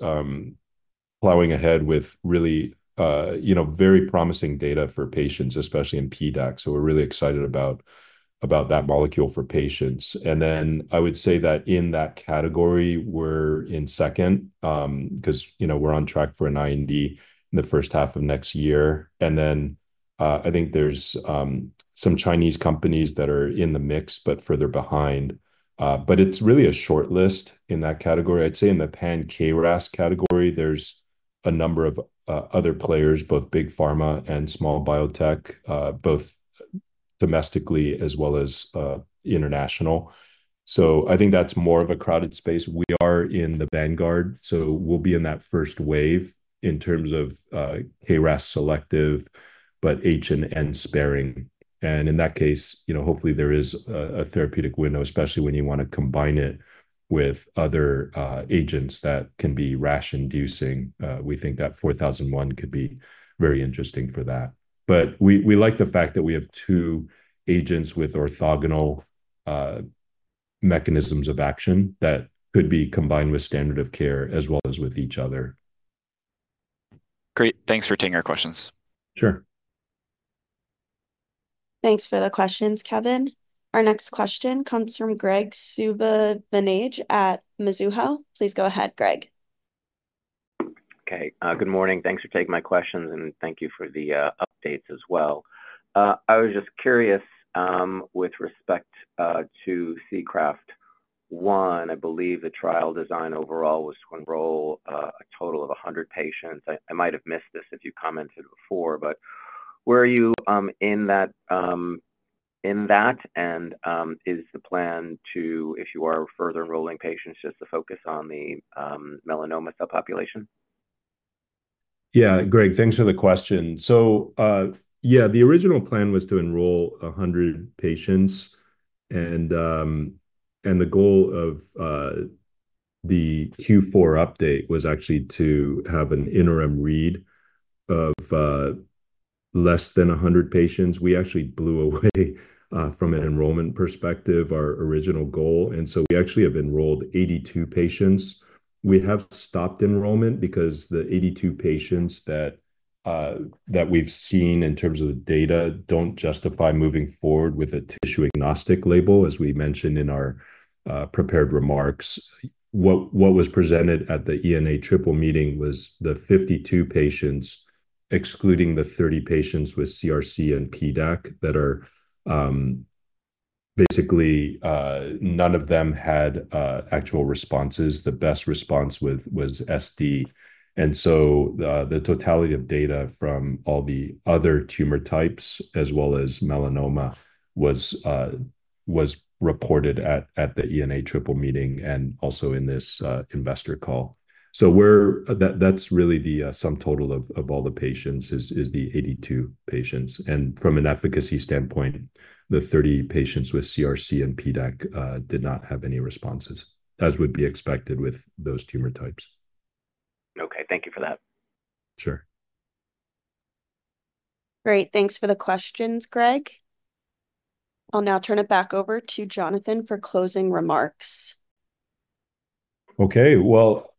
plowing ahead with really, you know, very promising data for patients, especially in PDAC. So we're really excited about that molecule for patients. And then I would say that in that category, we're in second, 'cause, you know, we're on track for an IND in the first half of next year. And then I think there's some Chinese companies that are in the mix, but further behind. But it's really a shortlist in that category. I'd say in the pan KRAS category, there's a number of other players, both big pharma and small biotech, both domestically as well as international. So I think that's more of a crowded space. We are in the vanguard, so we'll be in that first wave in terms of KRAS selective, but H and N sparing. And in that case, you know, hopefully there is a therapeutic window, especially when you wanna combine it with other agents that can be rash-inducing. We think that 4001 could be very interesting for that. But we like the fact that we have two agents with orthogonal mechanisms of action that could be combined with standard of care as well as with each other. Great. Thanks for taking our questions. Sure. Thanks for the questions, Kevin. Our next question comes from Graig Suvannavejh at Mizuho. Please go ahead, Greg. Okay, good morning. Thanks for taking my questions, and thank you for the updates as well. I was just curious, with respect to SEACRAFT-1, I believe the trial design overall was to enroll a total of 100 patients. I might have missed this if you commented before, but where are you in that, and is the plan to, if you are further enrolling patients, just to focus on the melanoma cell population? Yeah. Greg, thanks for the question. So, yeah, the original plan was to enroll 100 patients, and, and the goal of, the Q4 update was actually to have an interim read of, less than 100 patients. We actually blew away, from an enrollment perspective, our original goal, and so we actually have enrolled 82 patients. We have stopped enrollment because the 82 patients that, that we've seen in terms of the data don't justify moving forward with a tissue-agnostic label, as we mentioned in our, prepared remarks. What, what was presented at the ENA triple meeting was the 52 patients, excluding the 30 patients with CRC and PDAC, that are, basically, none of them had, actual responses. The best response with was SD. And so the totality of data from all the other tumor types, as well as melanoma, was reported at the ENA triple meeting and also in this investor call. That's really the sum total of all the patients, is the 82 patients. And from an efficacy standpoint, the 30 patients with CRC and PDAC did not have any responses, as would be expected with those tumor types. Okay, thank you for that. Sure.... Great. Thanks for the questions, Greg. I'll now turn it back over to Jonathan for closing remarks. Okay.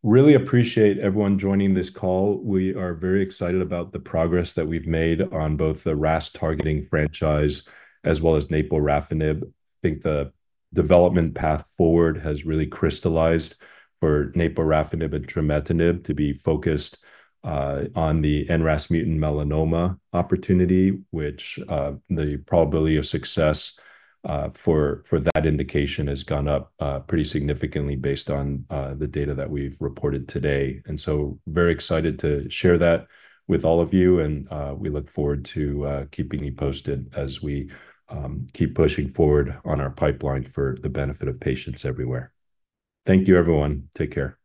Really appreciate everyone joining this call. We are very excited about the progress that we've made on both the RAS targeting franchise as well as naporafenib. I think the development path forward has really crystallized for naporafenib and trametinib to be focused on the NRAS-mutant melanoma opportunity, which the probability of success for that indication has gone up pretty significantly based on the data that we've reported today. So very excited to share that with all of you, and we look forward to keeping you posted as we keep pushing forward on our pipeline for the benefit of patients everywhere. Thank you, everyone. Take care.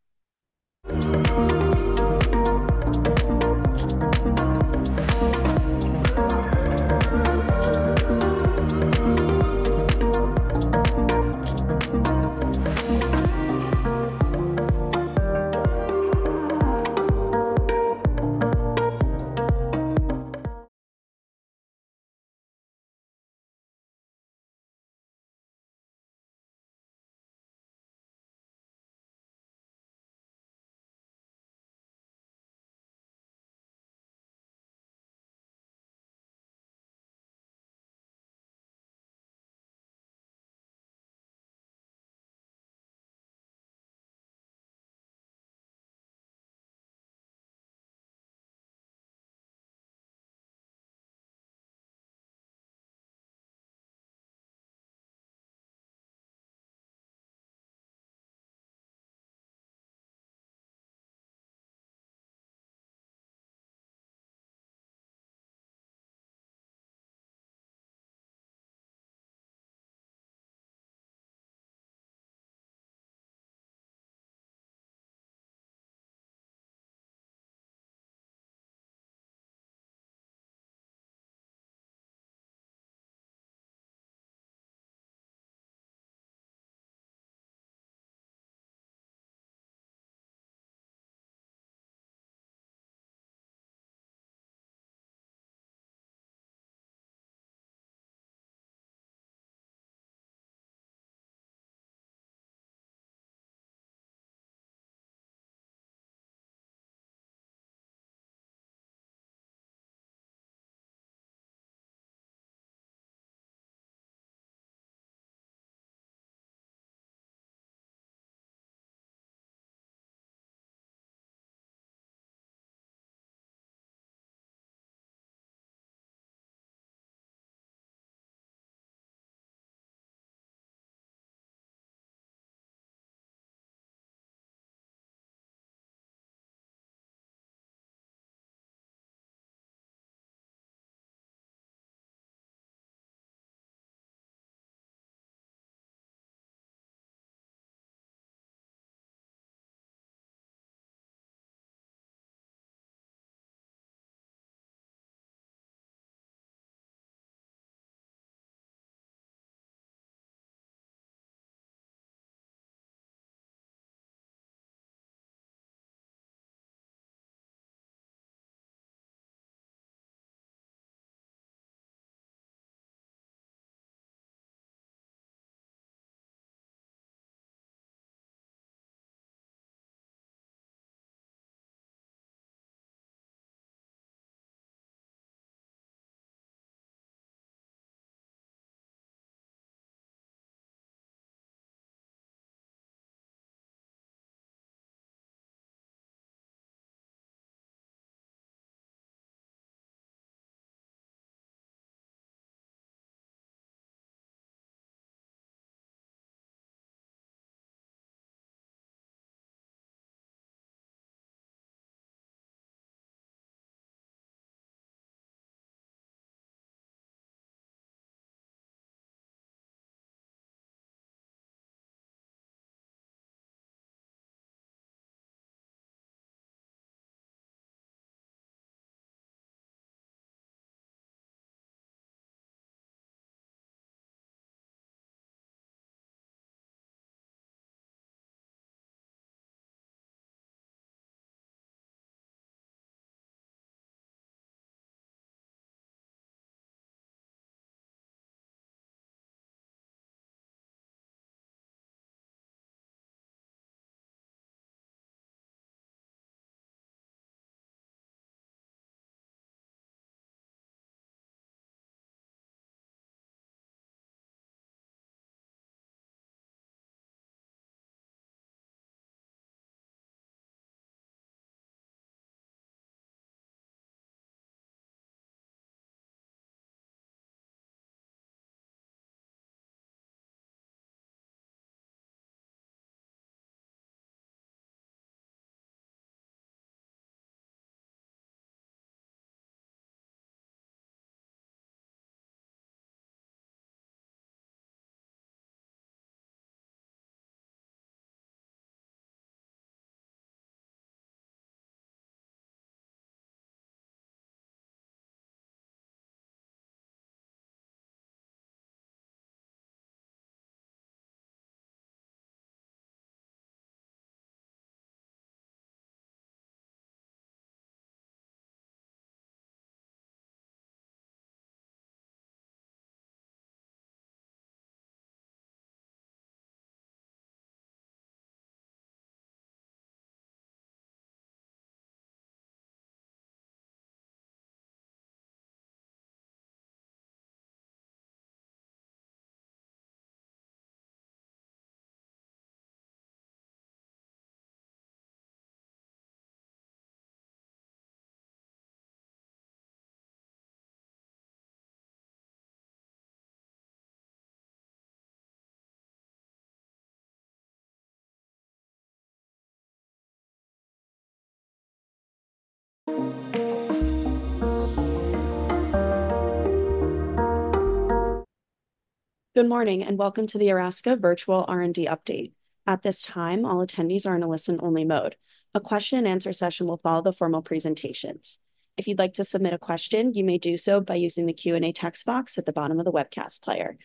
Good morning, and welcome to the Erasca Virtual R&D Update. At this time, all attendees are in a listen-only mode. A question and answer session will follow the formal presentations. If you'd like to submit a question, you may do so by using the Q&A text box at the bottom of the webcast player.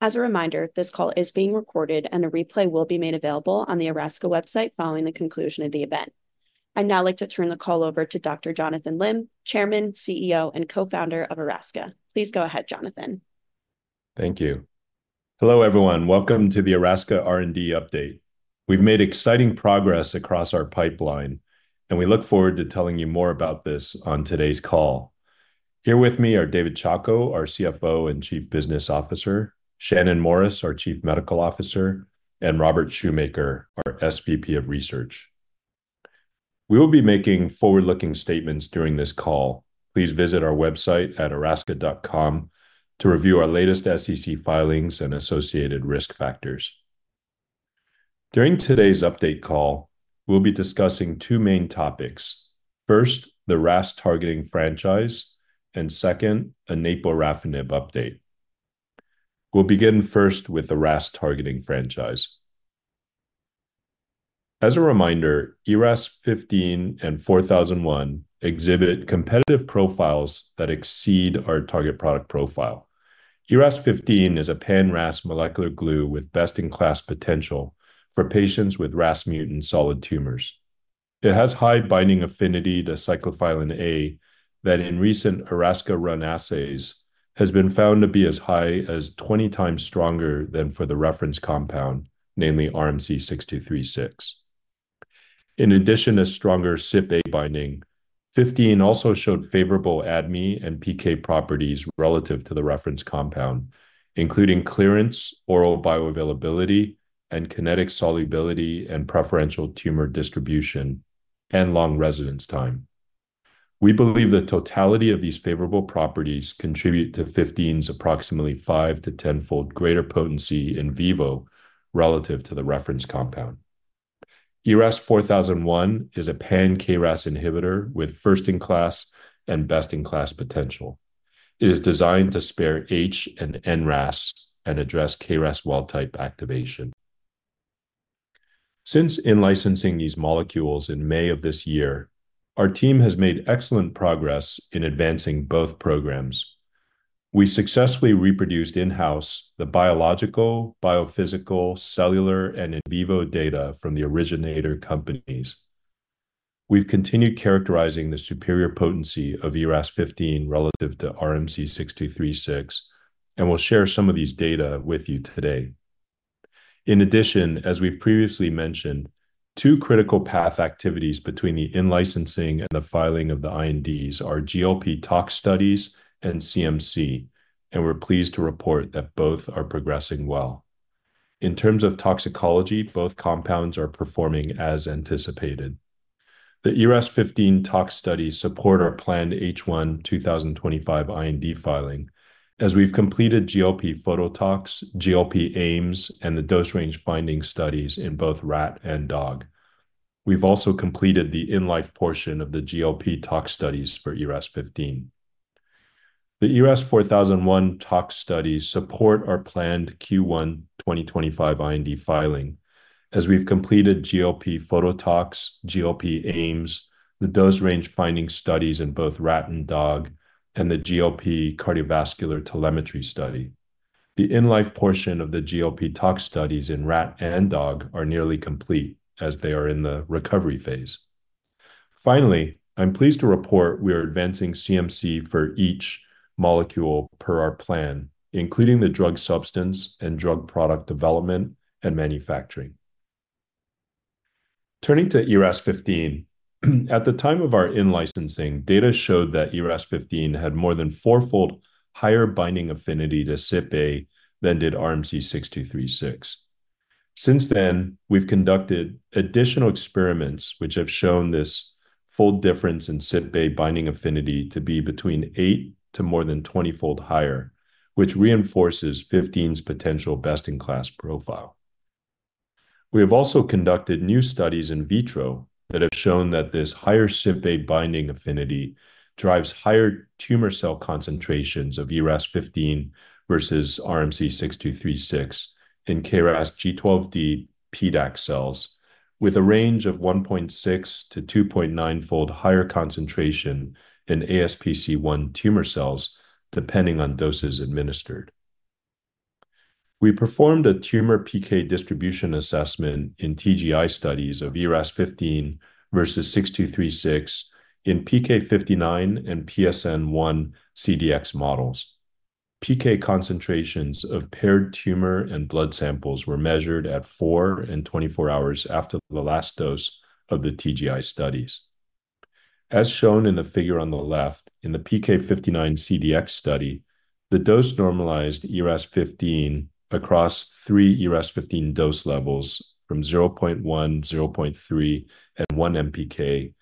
As a reminder, this call is being recorded, and a replay will be made available on the Erasca website following the conclusion of the event. I'd now like to turn the call over to Dr. Jonathan Lim, Chairman, CEO, and Co-Founder of Erasca. Please go ahead, Jonathan. Thank you. Hello, everyone. Welcome to the Erasca R&D Update. We've made exciting progress across our pipeline, and we look forward to telling you more about this on today's call. Here with me are David Chacko, our CFO and Chief Business Officer, Shannon Morris, our Chief Medical Officer, and Robert Shoemaker, our SVP of Research. We will be making forward-looking statements during this call. Please visit our website at erasca.com to review our latest SEC filings and associated risk factors. During today's update call, we'll be discussing two main topics. First, the RAS targeting franchise, and second, a naporafenib update. We'll begin first with the RAS targeting franchise. As a reminder, ERAS-0015 and four thousand and one exhibit competitive profiles that exceed our target product profile. ERAS-0015 is a pan-RAS molecular glue with best-in-class potential for patients with RAS mutant solid tumors. It has high binding affinity to cyclophilin A, that in recent Erasca-run assays, has been found to be as high as twenty times stronger than for the reference compound, namely RMC-6236. In addition to stronger CypA binding, fifteen also showed favorable ADME and PK properties relative to the reference compound, including clearance, oral bioavailability, and kinetic solubility, and preferential tumor distribution, and long residence time. We believe the totality of these favorable properties contribute to fifteen's approximately five- to tenfold greater potency in vivo relative to the reference compound. ERAS-4001 is a pan-KRAS inhibitor with first-in-class and best-in-class potential. It is designed to spare HRAS and NRAS and address KRAS wild-type activation. Since in-licensing these molecules in May of this year, our team has made excellent progress in advancing both programs. We successfully reproduced in-house the biological, biophysical, cellular, and in vivo data from the originator companies. We've continued characterizing the superior potency of ERAS-0015 relative to RMC-6236, and we'll share some of these data with you today. In addition, as we've previously mentioned, two critical path activities between the in-licensing and the filing of the INDs are GLP tox studies and CMC, and we're pleased to report that both are progressing well. In terms of toxicology, both compounds are performing as anticipated. The ERAS-0015 tox studies support our planned H1 2025 IND filing. As we've completed GLP phototox, GLP Ames, and the dose range finding studies in both rat and dog. We've also completed the in-life portion of the GLP tox studies for ERAS-0015. The ERAS-4001 tox studies support our planned Q1 2025 IND filing. As we've completed GLP phototox, GLP Ames, the dose range finding studies in both rat and dog, and the GLP cardiovascular telemetry study. The in-life portion of the GLP tox studies in rat and dog are nearly complete, as they are in the recovery phase. Finally, I'm pleased to report we are advancing CMC for each molecule per our plan, including the drug substance and drug product development and manufacturing. Turning to ERAS-0015, at the time of our in-licensing, data showed that ERAS-0015 had more than four-fold higher binding affinity to CypA than did RMC-6236. Since then, we've conducted additional experiments which have shown this fold difference in CypA binding affinity to be between eight to more than 20-fold higher, which reinforces ERAS-0015's potential best-in-class profile. We have also conducted new studies in vitro that have shown that this higher CypA binding affinity drives higher tumor cell concentrations of ERAS-0015 versus RMC-6236 in KRAS G12D PDAC cells, with a range of 1.6- to 2.9-fold higher concentration in AsPC-1 tumor cells, depending on doses administered. We performed a tumor PK distribution assessment in TGI studies of ERAS-0015 versus RMC-6236 in PK-59 and PSN-1 CDX models. PK concentrations of paired tumor and blood samples were measured at four and 24 hours after the last dose of the TGI studies. As shown in the figure on the left, in the PK-59 CDX study, the dose-normalized ERAS-0015 across three ERAS-0015 dose levels from 0.1, 0.3, and 1 MPK.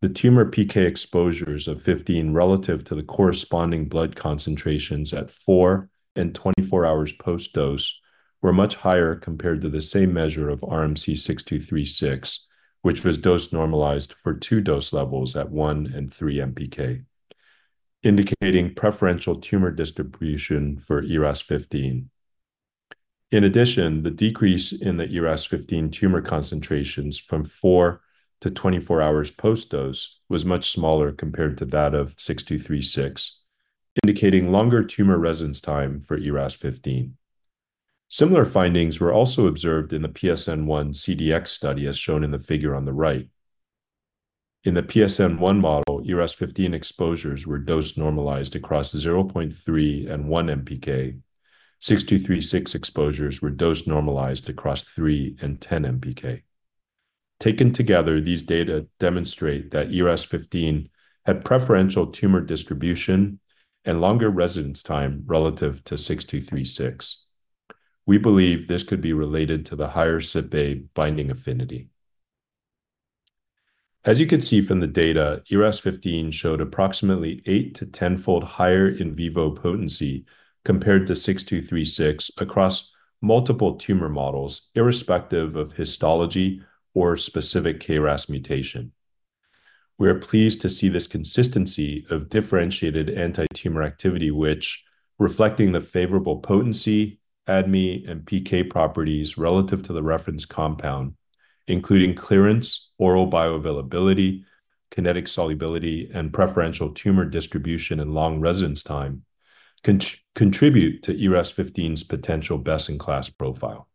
The tumor PK exposures of ERAS-0015 relative to the corresponding blood concentrations at 4 and 24 hours post-dose were much higher compared to the same measure of RMC-6236, which was dose-normalized for two dose levels at 1 and 3 MPK, indicating preferential tumor distribution for ERAS-0015. In addition, the decrease in the ERAS-0015 tumor concentrations from 4 to 24 hours post-dose was much smaller compared to that of RMC-6236, indicating longer tumor residence time for ERAS-0015. Similar findings were also observed in the PSN-1 CDX study, as shown in the figure on the right. In the PSN-1 model, ERAS-0015 exposures were dose-normalized across 0.3 and 1 MPK. 6236 exposures were dose-normalized across three and 10 MPK. Taken together, these data demonstrate that ERAS-0015 had preferential tumor distribution and longer residence time relative to 6236. We believe this could be related to the higher CypA binding affinity. As you can see from the data, ERAS-0015 showed approximately eight- to 10-fold higher in vivo potency compared to 6236 across multiple tumor models, irrespective of histology or specific KRAS mutation. We are pleased to see this consistency of differentiated anti-tumor activity, which, reflecting the favorable potency, ADME, and PK properties relative to the reference compound, including clearance, oral bioavailability, kinetic solubility, and preferential tumor distribution and long residence time, contribute to ERAS-0015's potential best-in-class profile.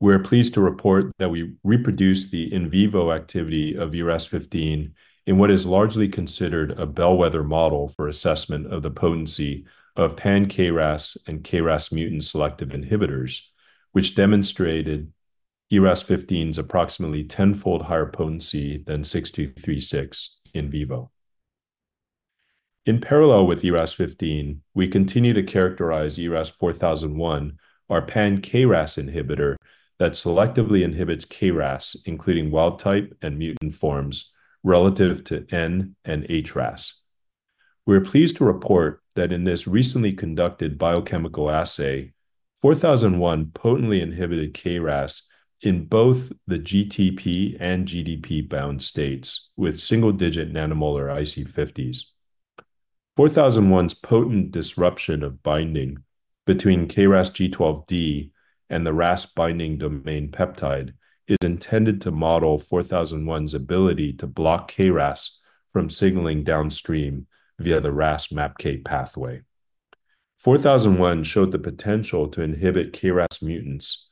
We're pleased to report that we reproduced the in vivo activity of ERAS-0015 in what is largely considered a bellwether model for assessment of the potency of pan-KRAS and KRAS mutant-selective inhibitors, which demonstrated ERAS-0015's approximately tenfold higher potency than RMC-6236 in vivo. In parallel with ERAS-0015, we continue to characterize ERAS-4001, our pan-KRAS inhibitor that selectively inhibits KRAS, including wild-type and mutant forms, relative to NRAS and HRAS. We are pleased to report that in this recently conducted biochemical assay, ERAS-4001 potently inhibited KRAS in both the GTP- and GDP-bound states with single-digit nanomolar IC50s. ERAS-4001's potent disruption of binding between KRAS G12D and the RAS binding domain peptide is intended to model ERAS-4001's ability to block KRAS from signaling downstream via the RAS MAPK pathway. 4001 showed the potential to inhibit KRAS mutants,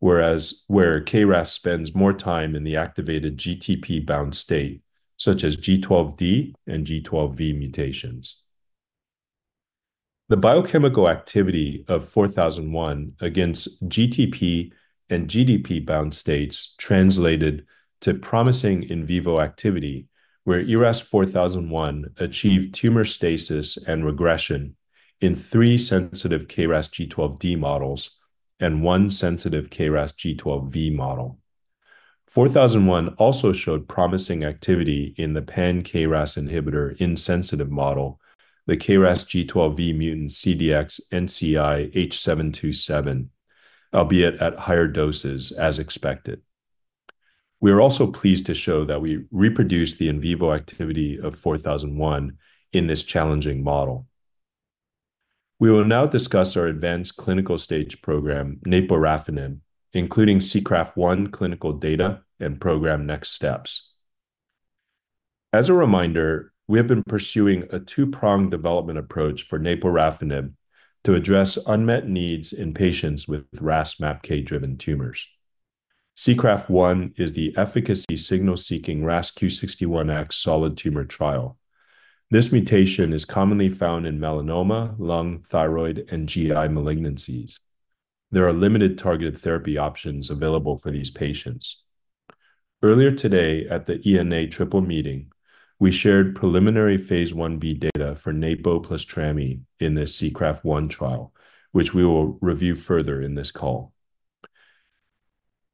whereas where KRAS spends more time in the activated GTP-bound state, such as G12D and G12V mutations. The biochemical activity of 4001 against GTP and GDP-bound states translated to promising in vivo activity, where ERAS-4001 achieved tumor stasis and regression in three sensitive KRAS G12D models and one sensitive KRAS G12V model. 4001 also showed promising activity in the pan-KRAS inhibitor-insensitive model, the KRAS G12V mutant CDX-NCI-H727, albeit at higher doses, as expected. We are also pleased to show that we reproduced the in vivo activity of 4001 in this challenging model. We will now discuss our advanced clinical stage program, naporafenib, including SEACRAFT-1 clinical data and program next steps. As a reminder, we have been pursuing a two-pronged development approach for naporafenib to address unmet needs in patients with RAS/MAPK-driven tumors. SEACRAFT-1 is the efficacy signal-seeking RAS Q61X solid tumor trial. This mutation is commonly found in melanoma, lung, thyroid, and GI malignancies. There are limited targeted therapy options available for these patients. Earlier today, at the ENA triple meeting, we shared preliminary phase I-B data for napo plus trami in this SEACRAFT-1 trial, which we will review further in this call.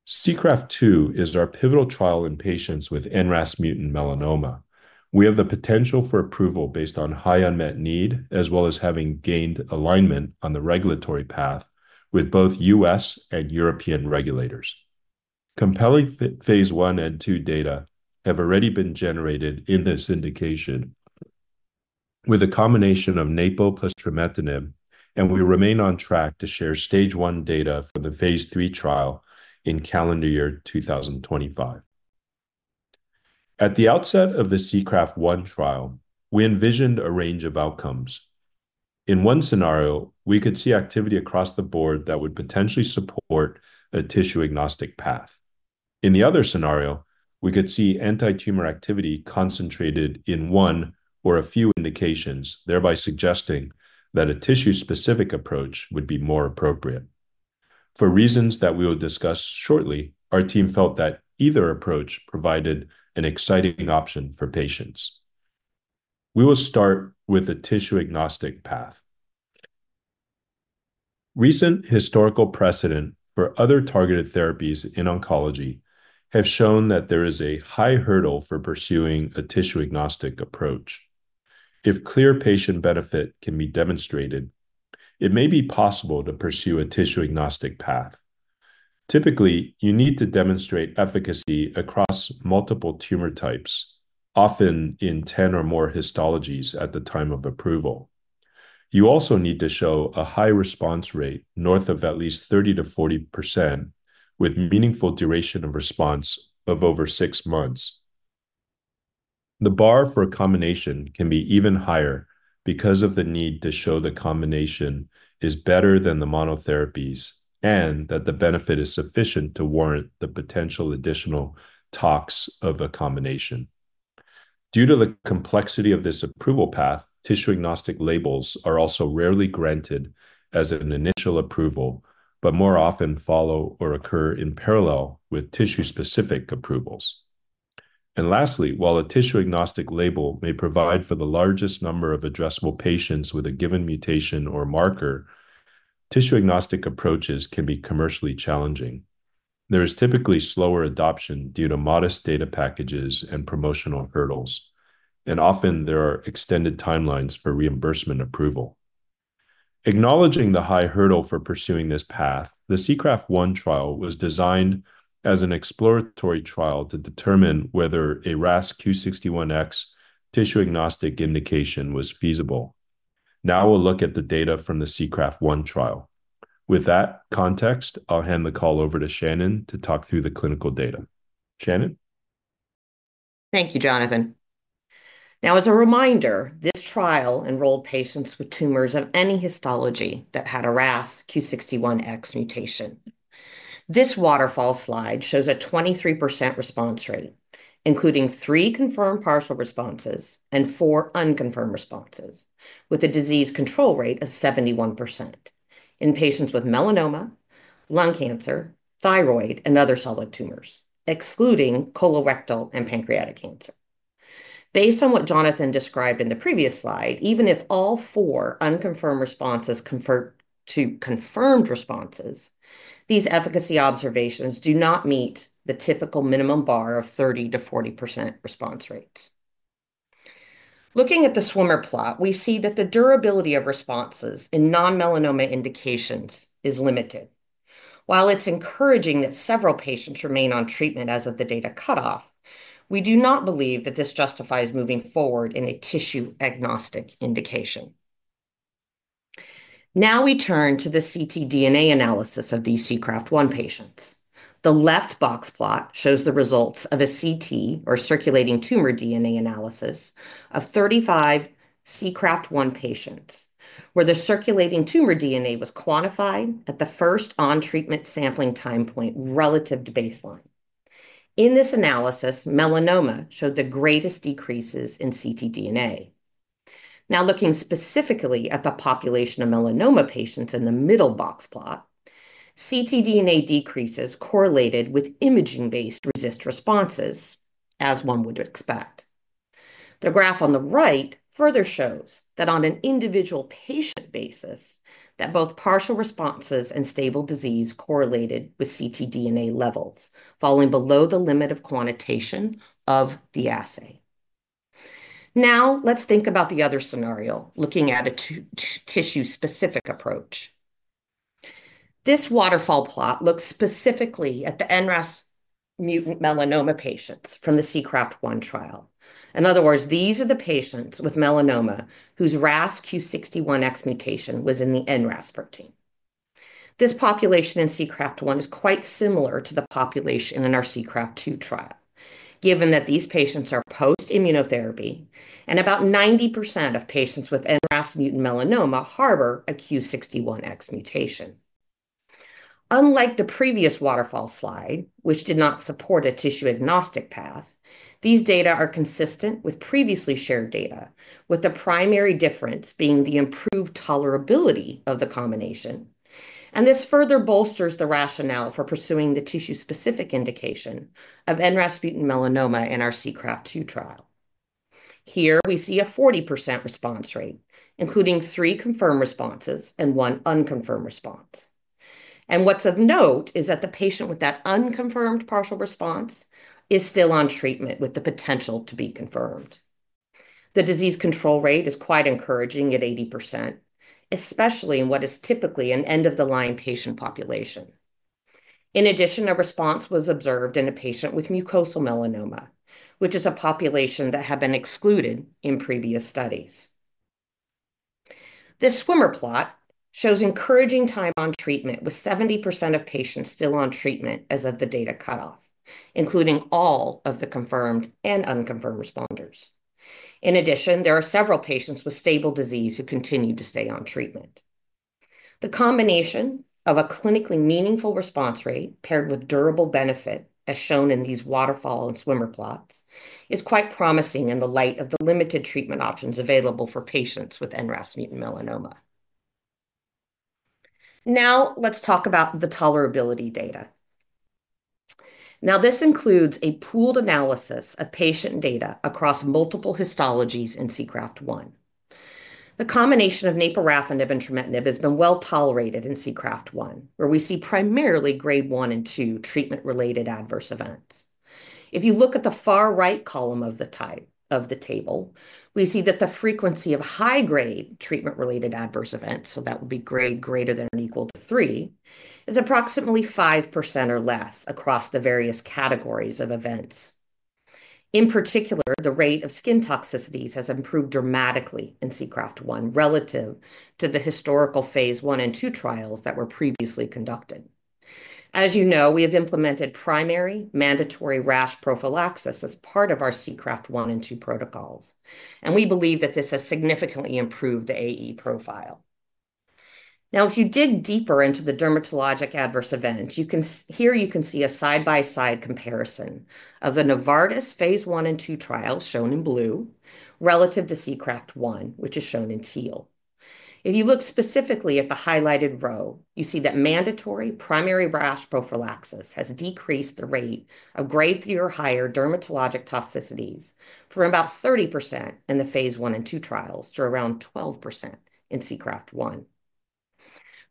SEACRAFT-2 is our pivotal trial in patients with NRAS-mutant melanoma. We have the potential for approval based on high unmet need, as well as having gained alignment on the regulatory path with both U.S. and European regulators. Compelling phase I and II data have already been generated in this indication with a combination of naporafenib plus trametinib, and we remain on track to share stage I data for the phase III trial in calendar year 2025. At the outset of the SEACRAFT-1 trial, we envisioned a range of outcomes. In one scenario, we could see activity across the board that would potentially support a tissue-agnostic path. In the other scenario, we could see anti-tumor activity concentrated in one or a few indications, thereby suggesting that a tissue-specific approach would be more appropriate. For reasons that we will discuss shortly, our team felt that either approach provided an exciting option for patients. We will start with the tissue-agnostic path. Recent historical precedent for other targeted therapies in oncology have shown that there is a high hurdle for pursuing a tissue-agnostic approach. If clear patient benefit can be demonstrated, it may be possible to pursue a tissue-agnostic path. Typically, you need to demonstrate efficacy across multiple tumor types, often in ten or more histologies at the time of approval. You also need to show a high response rate north of at least 30%-40%, with meaningful duration of response of over six months. The bar for a combination can be even higher because of the need to show the combination is better than the monotherapies and that the benefit is sufficient to warrant the potential additional talks of a combination. Due to the complexity of this approval path, tissue-agnostic labels are also rarely granted as an initial approval, but more often follow or occur in parallel with tissue-specific approvals. Lastly, while a tissue-agnostic label may provide for the largest number of addressable patients with a given mutation or marker, tissue-agnostic approaches can be commercially challenging. There is typically slower adoption due to modest data packages and promotional hurdles, and often there are extended timelines for reimbursement approval. Acknowledging the high hurdle for pursuing this path, the SEACRAFT-1 trial was designed as an exploratory trial to determine whether a RAS Q61X tissue-agnostic indication was feasible. Now we'll look at the data from the SEACRAFT-1 trial. With that context, I'll hand the call over to Shannon to talk through the clinical data. Shannon? Thank you, Jonathan. Now, as a reminder, this trial enrolled patients with tumors of any histology that had a RAS Q61X mutation. This waterfall slide shows a 23% response rate, including three confirmed partial responses and four unconfirmed responses, with a disease control rate of 71% in patients with melanoma, lung cancer, thyroid, and other solid tumors, excluding colorectal and pancreatic cancer. Based on what Jonathan described in the previous slide, even if all four unconfirmed responses convert to confirmed responses, these efficacy observations do not meet the typical minimum bar of 30%-40% response rates. Looking at the swimmer plot, we see that the durability of responses in non-melanoma indications is limited. While it's encouraging that several patients remain on treatment as of the data cutoff, we do not believe that this justifies moving forward in a tissue-agnostic indication. Now we turn to the ctDNA analysis of these SEACRAFT-1 patients. The left box plot shows the results of a ctDNA or circulating tumor DNA analysis of 35 SEACRAFT-1 patients, where the circulating tumor DNA was quantified at the first on-treatment sampling time point relative to baseline. In this analysis, melanoma showed the greatest decreases in ctDNA. Now, looking specifically at the population of melanoma patients in the middle box plot, ctDNA decreases correlated with imaging-based RECIST responses, as one would expect. The graph on the right further shows that on an individual patient basis, that both partial responses and stable disease correlated with ctDNA levels, falling below the limit of quantitation of the assay. Now, let's think about the other scenario, looking at a tissue-specific approach. This waterfall plot looks specifically at the NRAS mutant melanoma patients from the SEACRAFT-1 trial. In other words, these are the patients with melanoma whose RAS Q61X mutation was in the NRAS protein. This population in SEACRAFT-1 is quite similar to the population in our SEACRAFT-2 trial, given that these patients are post-immunotherapy and about 90% of patients with NRAS mutant melanoma harbor a Q61X mutation. Unlike the previous waterfall slide, which did not support a tissue-agnostic path, these data are consistent with previously shared data, with the primary difference being the improved tolerability of the combination. And this further bolsters the rationale for pursuing the tissue-specific indication of NRAS mutant melanoma in our SEACRAFT-2 trial. Here we see a 40% response rate, including three confirmed responses and one unconfirmed response. And what's of note is that the patient with that unconfirmed partial response is still on treatment, with the potential to be confirmed. The disease control rate is quite encouraging at 80%, especially in what is typically an end-of-the-line patient population. In addition, a response was observed in a patient with mucosal melanoma, which is a population that had been excluded in previous studies. This swimmer plot shows encouraging time on treatment, with 70% of patients still on treatment as of the data cutoff, including all of the confirmed and unconfirmed responders. In addition, there are several patients with stable disease who continued to stay on treatment. The combination of a clinically meaningful response rate paired with durable benefit, as shown in these waterfall and swimmer plots, is quite promising in the light of the limited treatment options available for patients with NRAS-mutant melanoma. Now, let's talk about the tolerability data. Now, this includes a pooled analysis of patient data across multiple histologies in SEACRAFT-1. The combination of naporafenib and trametinib has been well-tolerated in SEACRAFT-1, where we see primarily Grade One and Two treatment-related adverse events. If you look at the far right column of the table, we see that the frequency of high-grade treatment-related adverse events, so that would be grade greater than or equal to three, is approximately 5% or less across the various categories of events. In particular, the rate of skin toxicities has improved dramatically in SEACRAFT-1, relative to the historical phase I and II trials that were previously conducted. As you know, we have implemented primary mandatory rash prophylaxis as part of our SEACRAFT-1 and 2 protocols, and we believe that this has significantly improved the AE profile. Now, if you dig deeper into the dermatologic adverse events, you can. Here you can see a side-by-side comparison of the Novartis phase I and II trials, shown in blue, relative to SEACRAFT-1, which is shown in teal. If you look specifically at the highlighted row, you see that mandatory primary rash prophylaxis has decreased the rate of grade three or higher dermatologic toxicities from about 30% in the phase I and II trials to around 12% in SEACRAFT-1.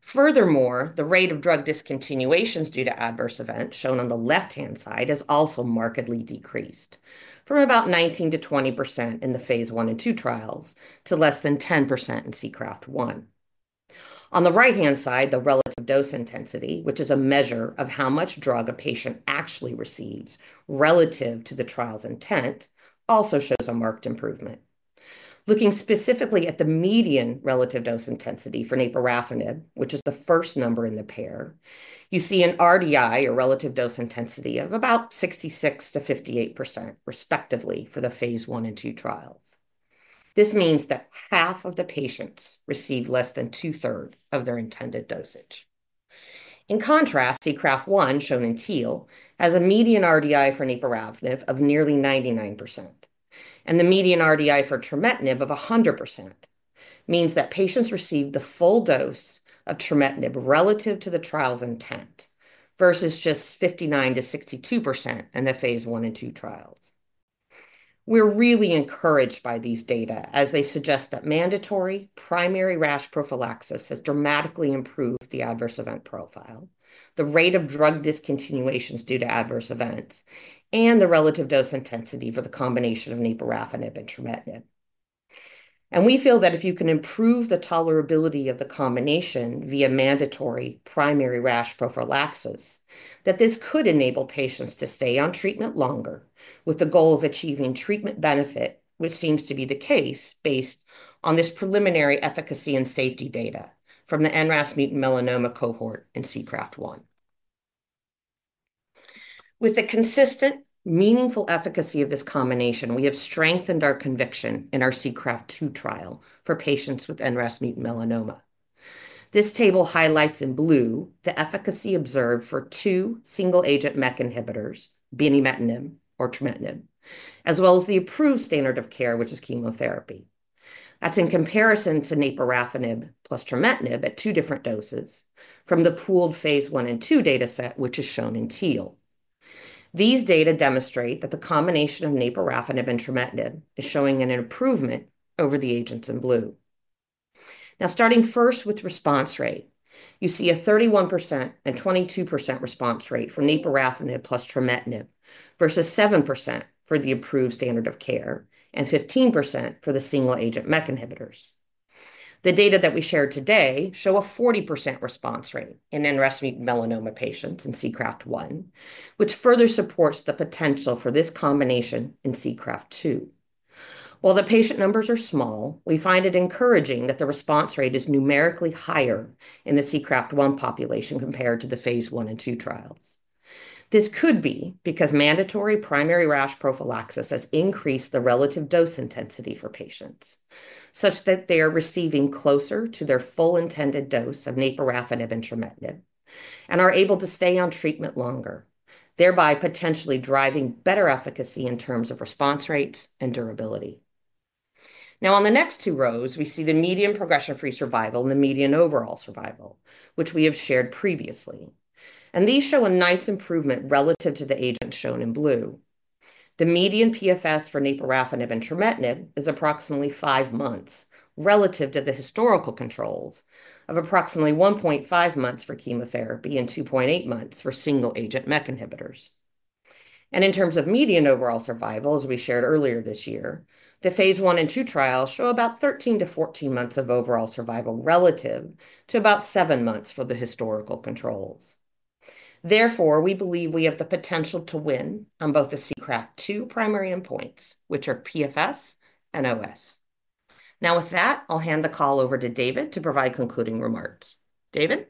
Furthermore, the rate of drug discontinuations due to adverse events, shown on the left-hand side, has also markedly decreased from about 19%-20% in the phase I and II trials to less than 10% in SEACRAFT-1. On the right-hand side, the relative dose intensity, which is a measure of how much drug a patient actually receives relative to the trial's intent, also shows a marked improvement. Looking specifically at the median relative dose intensity for naporafenib, which is the first number in the pair, you see an RDI, or relative dose intensity, of about 66% to 58%, respectively, for the phase I and II trials. This means that half of the patients receive less than two-thirds of their intended dosage. In contrast, SEACRAFT-1, shown in teal, has a median RDI for naporafenib of nearly 99%, and the median RDI for trametinib of 100% means that patients received the full dose of trametinib relative to the trial's intent, versus just 59% to 62% in the phase I and II trials. We're really encouraged by these data, as they suggest that mandatory primary rash prophylaxis has dramatically improved the adverse event profile, the rate of drug discontinuations due to adverse events, and the relative dose intensity for the combination of naporafenib and trametinib. We feel that if you can improve the tolerability of the combination via mandatory primary rash prophylaxis, that this could enable patients to stay on treatment longer, with the goal of achieving treatment benefit, which seems to be the case based on this preliminary efficacy and safety data from the NRAS-mutant melanoma cohort in SEACRAFT-1. With the consistent, meaningful efficacy of this combination, we have strengthened our conviction in our SEACRAFT-2 trial for patients with NRAS-mutant melanoma. This table highlights in blue the efficacy observed for two single-agent MEK inhibitors, binimetinib or trametinib, as well as the approved standard of care, which is chemotherapy. That's in comparison to naporafenib plus trametinib at two different doses from the pooled phase I and II dataset, which is shown in teal. These data demonstrate that the combination of naporafenib and trametinib is showing an improvement over the agents in blue. Now, starting first with response rate, you see a 31% and 22% response rate for naporafenib plus trametinib, versus 7% for the approved standard of care and 15% for the single-agent MEK inhibitors. The data that we shared today show a 40% response rate in NRAS-mutant melanoma patients in SEACRAFT-1, which further supports the potential for this combination in SEACRAFT-2. While the patient numbers are small, we find it encouraging that the response rate is numerically higher in the SEACRAFT-1 population compared to the phase I and II trials. This could be because mandatory primary rash prophylaxis has increased the relative dose intensity for patients, such that they are receiving closer to their full intended dose of naporafenib and trametinib and are able to stay on treatment longer, thereby potentially driving better efficacy in terms of response rates and durability. Now, on the next two rows, we see the median progression-free survival and the median overall survival, which we have shared previously. And these show a nice improvement relative to the agent shown in blue. The median PFS for naporafenib and trametinib is approximately five months, relative to the historical controls of approximately 1.5 months for chemotherapy and 2.8 months for single-agent MEK inhibitors. And in terms of median overall survival, as we shared earlier this year, the phase I and II trials show about 13-14 months of overall survival, relative to about 7 months for the historical controls... Therefore, we believe we have the potential to win on both the SEACRAFT-2 primary endpoints, which are PFS and OS. Now, with that, I'll hand the call over to David to provide concluding remarks. David?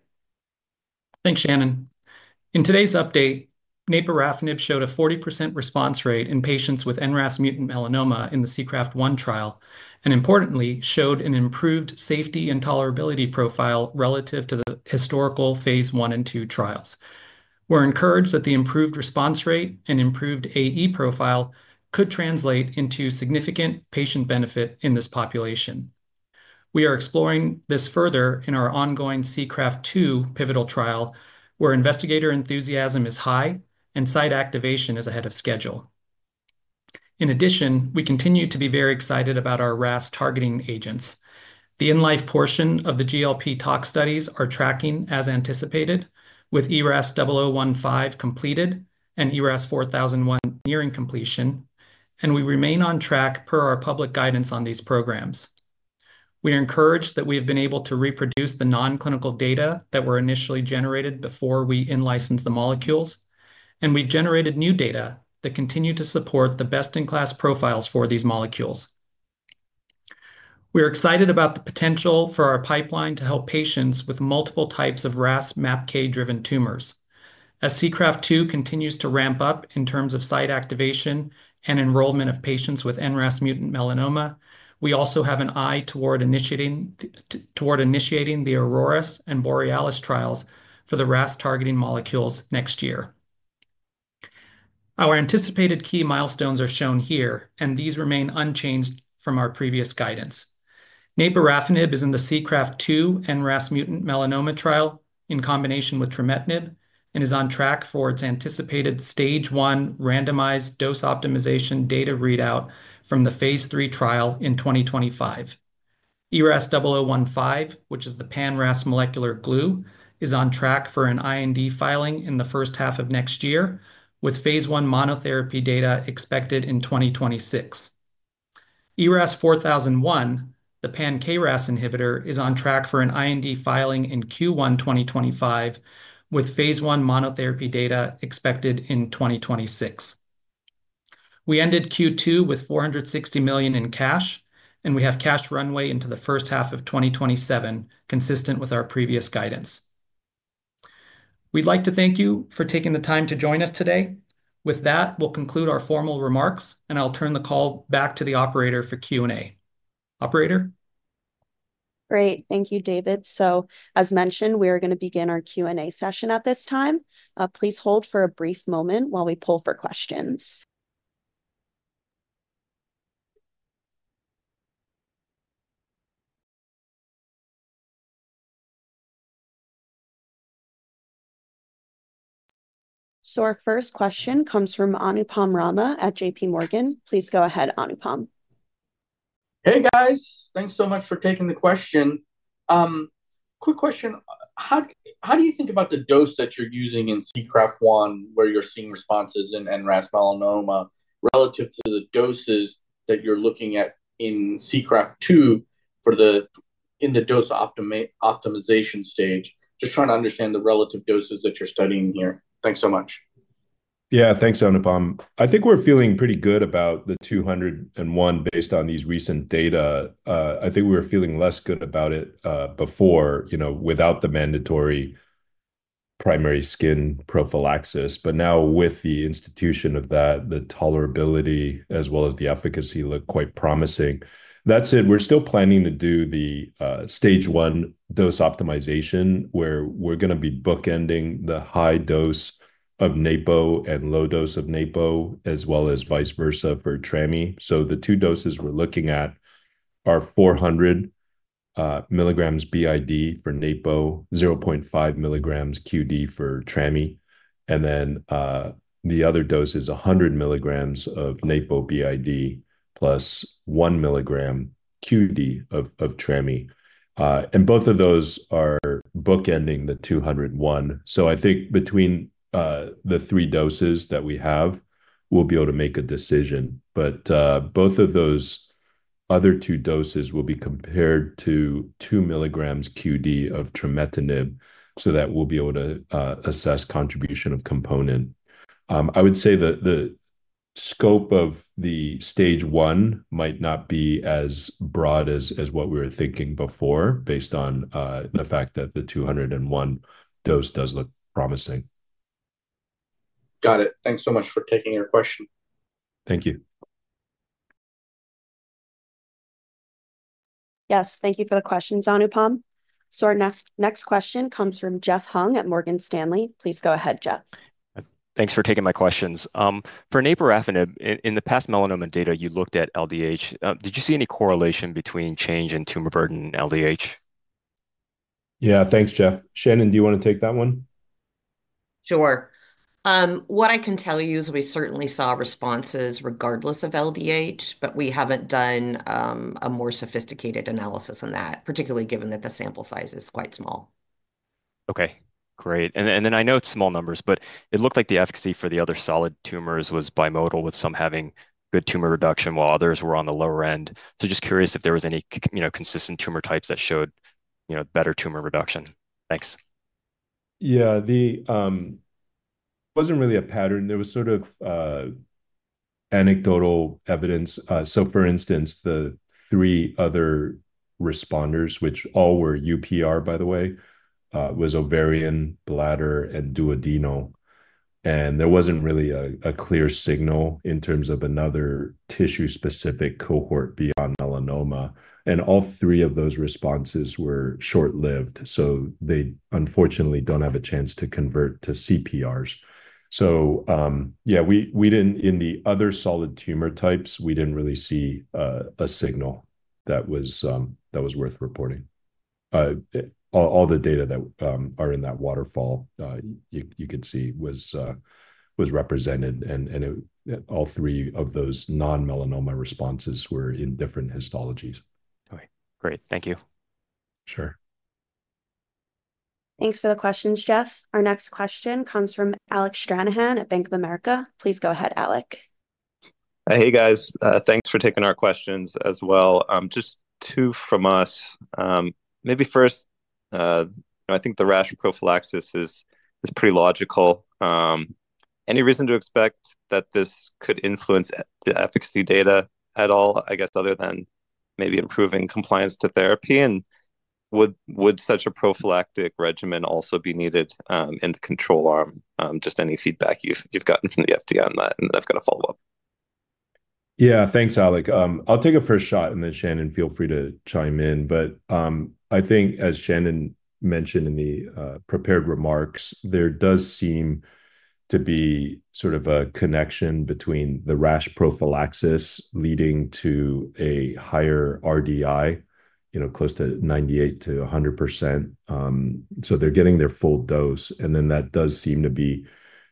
Thanks, Shannon. In today's update, naporafenib showed a 40% response rate in patients with NRAS-mutant melanoma in the SEACRAFT-1 trial, and importantly, showed an improved safety and tolerability profile relative to the historical phase I and II trials. We're encouraged that the improved response rate and improved AE profile could translate into significant patient benefit in this population. We are exploring this further in our ongoing SEACRAFT-2 pivotal trial, where investigator enthusiasm is high and site activation is ahead of schedule. In addition, we continue to be very excited about our RAS targeting agents. The in-life portion of the GLP tox studies are tracking as anticipated, with ERAS-0015 completed and ERAS-4001 nearing completion, and we remain on track per our public guidance on these programs. We are encouraged that we have been able to reproduce the non-clinical data that were initially generated before we in-licensed the molecules, and we've generated new data that continue to support the best-in-class profiles for these molecules. We are excited about the potential for our pipeline to help patients with multiple types of RAS/MAPK-driven tumors. As SEACRAFT-2 continues to ramp up in terms of site activation and enrollment of patients with NRAS-mutant melanoma, we also have an eye toward initiating the AURORAS and BOREALIS trials for the RAS-targeting molecules next year. Our anticipated key milestones are shown here, and these remain unchanged from our previous guidance. Naporafenib is in the SEACRAFT-2 NRAS-mutant melanoma trial in combination with trametinib and is on track for its anticipated Stage I randomized dose optimization data readout from the phase III trial in 2025. ERAS-0015, which is the pan-RAS molecular glue, is on track for an IND filing in the first half of next year, with phase I monotherapy data expected in 2026. ERAS-4001, the pan-KRAS inhibitor, is on track for an IND filing in Q1 2025, with phase I monotherapy data expected in 2026. We ended Q2 with $460 million in cash, and we have cash runway into the first half of 2027, consistent with our previous guidance. We'd like to thank you for taking the time to join us today. With that, we'll conclude our formal remarks, and I'll turn the call back to the operator for Q&A. Operator? Great. Thank you, David. So, as mentioned, we are gonna begin our Q&A session at this time. Please hold for a brief moment while we poll for questions. So our first question comes from Anupam Rama at J.P. Morgan. Please go ahead, Anupam. Hey, guys. Thanks so much for taking the question. Quick question, how do you think about the dose that you're using in SEACRAFT-1, where you're seeing responses in NRAS melanoma, relative to the doses that you're looking at in SEACRAFT-2 for in the dose optimization stage? Just trying to understand the relative doses that you're studying here. Thanks so much. Yeah. Thanks, Anupam. I think we're feeling pretty good about the 201 based on these recent data. I think we were feeling less good about it before, you know, without the mandatory primary skin prophylaxis. But now, with the institution of that, the tolerability, as well as the efficacy, look quite promising. That said, we're still planning to do the Stage 1 dose optimization, where we're gonna be bookending the high dose of napo and low dose of napo, as well as vice versa for trami. So the two doses we're looking at are 400 milligrams BID for napo, 0.5 milligrams QD for trami, and then the other dose is 100 milligrams of napo BID plus 1 milligram QD of trami. And both of those are bookending the 201. So I think between the three doses that we have, we'll be able to make a decision. But both of those other two doses will be compared to two milligrams QD of trametinib, so that we'll be able to assess contribution of component. I would say that the scope of the Stage I might not be as broad as what we were thinking before, based on the fact that the 201 dose does look promising. Got it. Thanks so much for taking our question. Thank you. Yes, thank you for the question, Anupam. So our next question comes from Jeff Hung at Morgan Stanley. Please go ahead, Jeff. Thanks for taking my questions. For naporafenib, in the past melanoma data, you looked at LDH. Did you see any correlation between change in tumor burden and LDH? Yeah. Thanks, Jeff. Shannon, do you wanna take that one? Sure. What I can tell you is we certainly saw responses regardless of LDH, but we haven't done a more sophisticated analysis on that, particularly given that the sample size is quite small. Okay, great. And then I know it's small numbers, but it looked like the efficacy for the other solid tumors was bimodal, with some having good tumor reduction, while others were on the lower end. So just curious if there was any, you know, consistent tumor types that showed, you know, better tumor reduction? Thanks. Yeah. It wasn't really a pattern. There was sort of anecdotal evidence. So for instance, the three other responders, which all were UPR, by the way, was ovarian, bladder, and duodenal. And there wasn't really a clear signal in terms of another tissue-specific cohort beyond melanoma, and all three of those responses were short-lived. So they unfortunately don't have a chance to convert to CPRs. So, yeah, we didn't in the other solid tumor types, we didn't really see a signal that was worth reporting. All the data that are in that waterfall you could see was represented and it, all three of those non-melanoma responses were in different histologies. Okay, great. Thank you. Sure. Thanks for the questions, Jeff. Our next question comes from Alec Stranahan at Bank of America. Please go ahead, Alec. Hey, guys. Thanks for taking our questions as well. Just two from us. Maybe first, I think the rash prophylaxis is pretty logical. Any reason to expect that this could influence the efficacy data at all, I guess, other than maybe improving compliance to therapy? And would such a prophylactic regimen also be needed in the control arm? Just any feedback you've gotten from the FDA on that, and then I've got a follow-up. Yeah. Thanks, Alec. I'll take a first shot, and then, Shannon, feel free to chime in, but I think, as Shannon mentioned in the prepared remarks, there does seem to be sort of a connection between the rash prophylaxis leading to a higher RDI, you know, close to 98%-100%. So they're getting their full dose, and then that does seem to be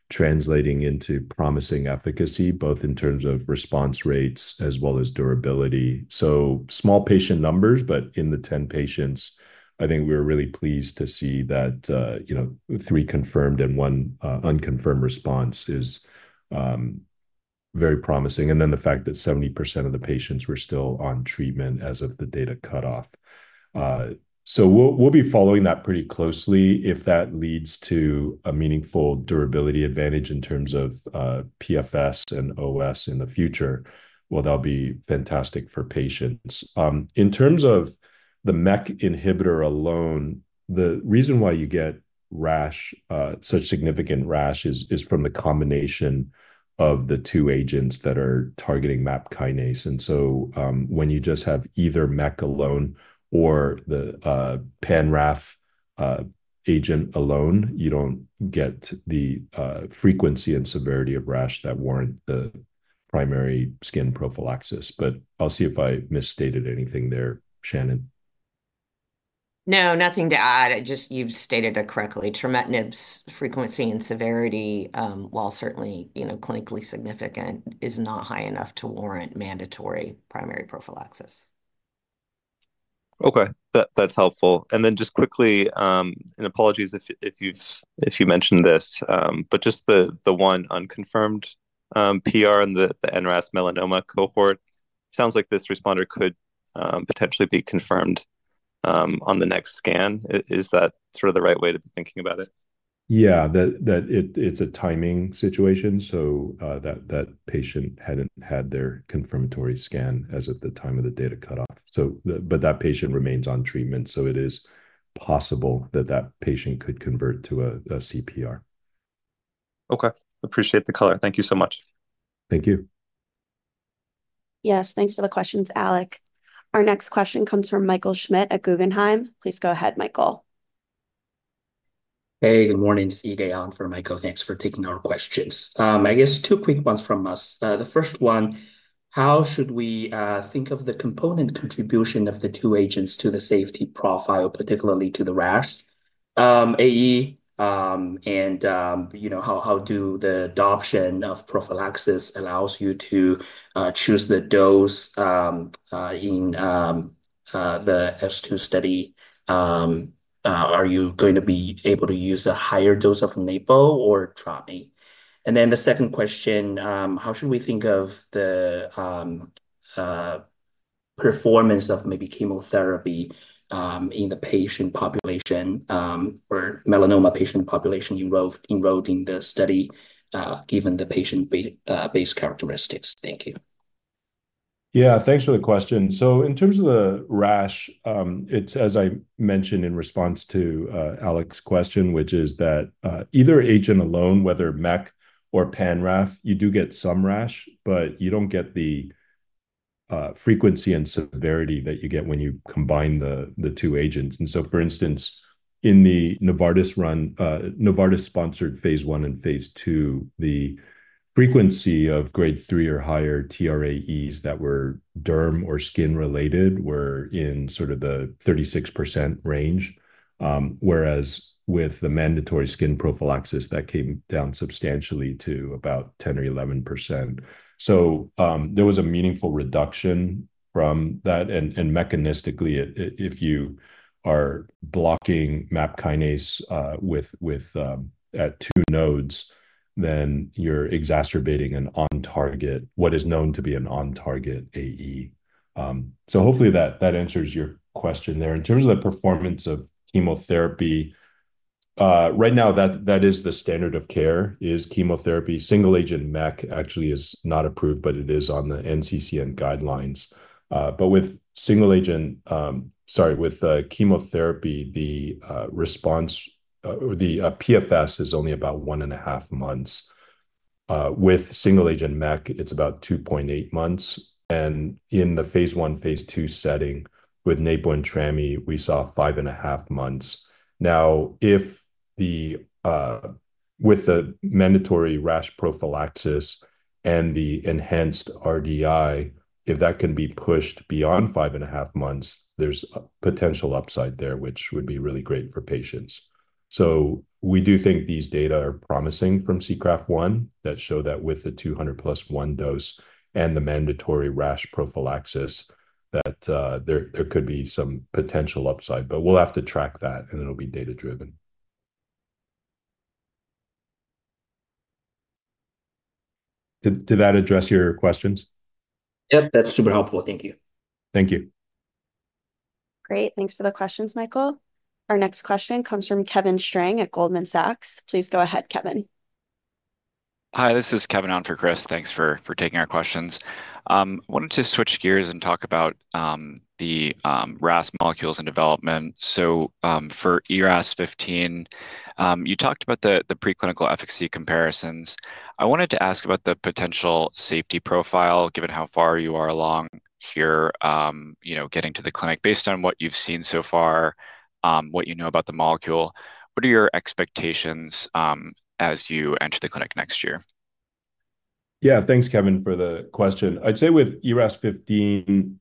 translating into promising efficacy, both in terms of response rates as well as durability, so small patient numbers, but in the 10 patients, I think we're really pleased to see that, you know, three confirmed and one unconfirmed response is very promising, and then the fact that 70% of the patients were still on treatment as of the data cutoff, so we'll be following that pretty closely. If that leads to a meaningful durability advantage in terms of PFS and OS in the future, well, that'll be fantastic for patients. In terms of the MEK inhibitor alone, the reason why you get rash, such significant rash is from the combination of the two agents that are targeting MAP kinase. And so, when you just have either MEK alone or the pan-RAF agent alone, you don't get the frequency and severity of rash that warrant the primary skin prophylaxis. But I'll see if I misstated anything there, Shannon. No, nothing to add. Just you've stated it correctly. Trametinib's frequency and severity, while certainly, you know, clinically significant, is not high enough to warrant mandatory primary prophylaxis. Okay, that's helpful. Then just quickly, and apologies if you've mentioned this, but just the one unconfirmed PR in the NRAS melanoma cohort. Sounds like this responder could potentially be confirmed on the next scan. Is that sort of the right way to be thinking about it? Yeah. It's a timing situation. So, that patient hadn't had their confirmatory scan as of the time of the data cutoff, but that patient remains on treatment, so it is possible that that patient could convert to a CPR. Okay. Appreciate the color. Thank you so much. Thank you. Yes, thanks for the questions, Alec. Our next question comes from Michael Schmidt at Guggenheim. Please go ahead, Michael. Hey, good morning. It's Yigang for Michael. Thanks for taking our questions. I guess two quick ones from us. The first one, how should we think of the component contribution of the two agents to the safety profile, particularly to the rash, AE, and, you know, how do the adoption of prophylaxis allows you to choose the dose in the S2 study? Are you going to be able to use a higher dose of napo or tramet? And then the second question, how should we think of the performance of maybe chemotherapy in the patient population, or melanoma patient population enrolled in the study, given the patient base characteristics? Thank you. Yeah, thanks for the question. So in terms of the rash, it's as I mentioned in response to Alec's question, which is that either agent alone, whether MEK or pan RAF, you do get some rash, but you don't get the frequency and severity that you get when you combine the two agents. And so, for instance, in the Novartis-run, Novartis-sponsored phase I and phase II, the frequency of grade three or higher TRAEs that were derm or skin-related were in sort of the 36% range. Whereas with the mandatory skin prophylaxis, that came down substantially to about 10 or 11%. So there was a meaningful reduction from that. And mechanistically, if you are blocking MAP kinase with at two nodes, then you're exacerbating an on-target, what is known to be an on-target AE. So hopefully that answers your question there. In terms of the performance of chemotherapy, right now, that is the standard of care, is chemotherapy. Single-agent MEK actually is not approved, but it is on the NCCN guidelines. But with single-agent chemotherapy, the response or the PFS is only about 1.5 months. With single-agent MEK, it's about 2.8 months, and in the phase I, phase II setting with naporafenib and trametinib, we saw 5.5 months. Now, with the mandatory rash prophylaxis and the enhanced RDI, if that can be pushed beyond 5.5 months, there's a potential upside there, which would be really great for patients. So we do think these data are promising from SEACRAFT-1 that show that with the 200+1 dose and the mandatory rash prophylaxis, that there could be some potential upside. But we'll have to track that, and it'll be data-driven. Did that address your questions? Yep, that's super helpful. Thank you. Thank you. Great, thanks for the questions, Michael. Our next question comes from Kevin Strang at Goldman Sachs. Please go ahead, Kevin. Hi, this is Kevin on for Chris. Thanks for taking our questions. I wanted to switch gears and talk about the RAS molecules in development, so for ERAS-0015, you talked about the preclinical efficacy comparisons. I wanted to ask about the potential safety profile, given how far you are along here, you know, getting to the clinic. Based on what you've seen so far, what you know about the molecule, what are your expectations as you enter the clinic next year? Yeah, thanks, Kevin, for the question. I'd say with ERAS-0015,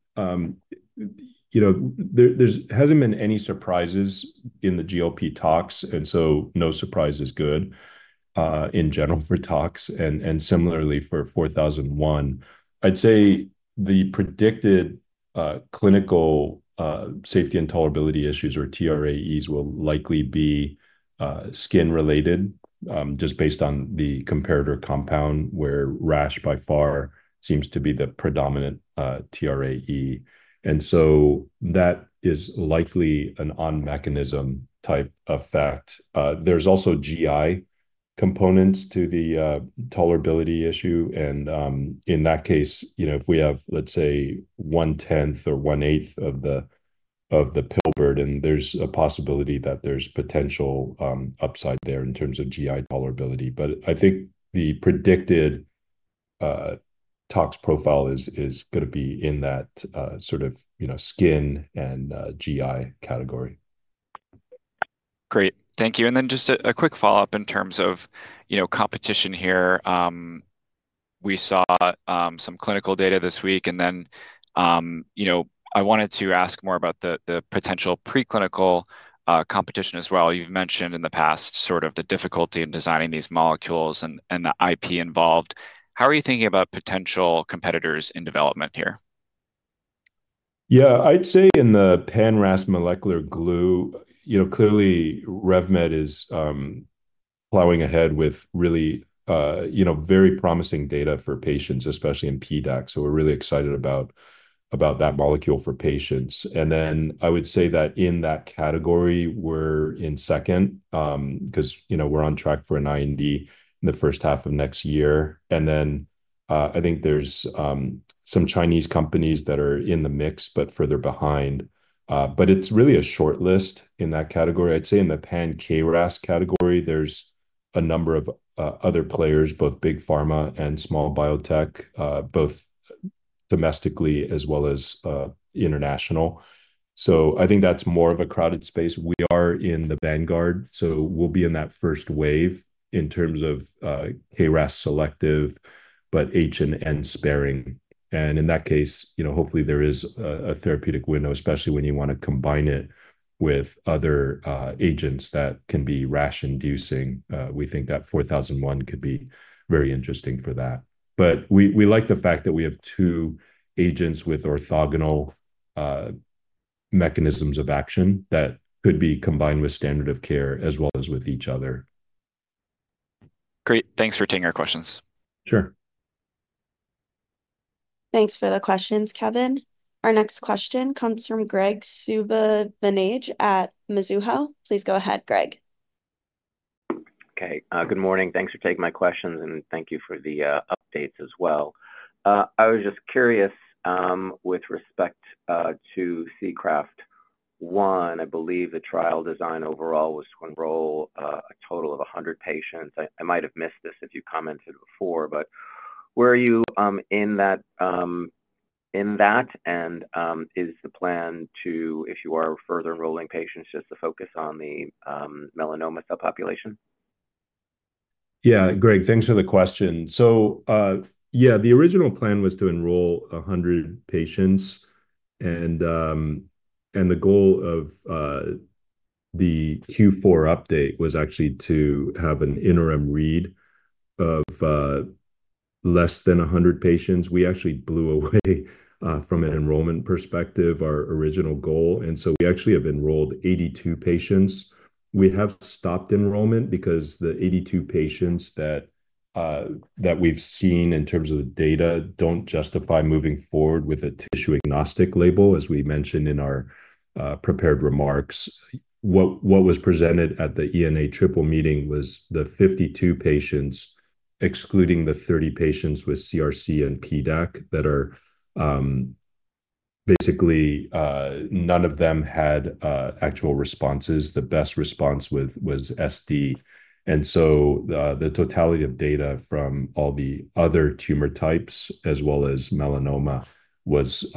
you know, there hasn't been any surprises in the GLP talks, and so no surprise is good in general for talks and similarly for ERAS-4001. I'd say the predicted clinical safety and tolerability issues, or TRAEs, will likely be skin-related just based on the comparator compound, where rash by far seems to be the predominant TRAE. And so that is likely an on-mechanism type effect. There's also GI components to the tolerability issue, and in that case, you know, if we have, let's say, one tenth or one eighth of the pill burden, there's a possibility that there's potential upside there in terms of GI tolerability. But I think the predicted toxicity profile is gonna be in that sort of, you know, skin and GI category. Great. Thank you. And then just a quick follow-up in terms of, you know, competition here. We saw some clinical data this week, and then, you know, I wanted to ask more about the potential preclinical competition as well. You've mentioned in the past sort of the difficulty in designing these molecules and the IP involved. How are you thinking about potential competitors in development here? Yeah, I'd say in the pan RAS molecular glue, you know, clearly RevMed is plowing ahead with really, you know, very promising data for patients, especially in PDAC. So we're really excited about that molecule for patients. And then I would say that in that category, we're in second, 'cause, you know, we're on track for an IND in the first half of next year. And then I think there's some Chinese companies that are in the mix, but further behind. But it's really a short list in that category. I'd say in the pan KRAS category, there's a number of other players, both big pharma and small biotech, both domestically as well as international. So I think that's more of a crowded space. We are in the vanguard, so we'll be in that first wave in terms of KRAS selective, but H and N sparing. In that case, you know, hopefully there is a therapeutic window, especially when you wanna combine it with other agents that can be rash-inducing. We think that four thousand and one could be very interesting for that. But we like the fact that we have two agents with orthogonal mechanisms of action that could be combined with standard of care as well as with each other. Great, thanks for taking our questions. Sure. Thanks for the questions, Kevin. Our next question comes from Graig Suvannavejh at Mizuho. Please go ahead, Greg. Okay, good morning. Thanks for taking my questions, and thank you for the updates as well. I was just curious with respect to SEACRAFT-1. I believe the trial design overall was to enroll a total of 100 patients. I might have missed this if you commented before, but where are you in that? And is the plan to, if you are further enrolling patients, just to focus on the melanoma subpopulation? Yeah, Graig, thanks for the question. So, yeah, the original plan was to enroll 100 patients, and, and the goal of, the Q4 update was actually to have an interim read of, less than 100 patients. We actually blew away, from an enrollment perspective, our original goal, and so we actually have enrolled 82 patients. We have stopped enrollment because the 82 patients that we've seen in terms of the data don't justify moving forward with a tissue-agnostic label, as we mentioned in our, prepared remarks. What, what was presented at the ENA triple meeting was the 52 patients, excluding the 30 patients with CRC and PDAC, that are, basically, none of them had, actual responses. The best response was SD. And so the totality of data from all the other tumor types, as well as melanoma, was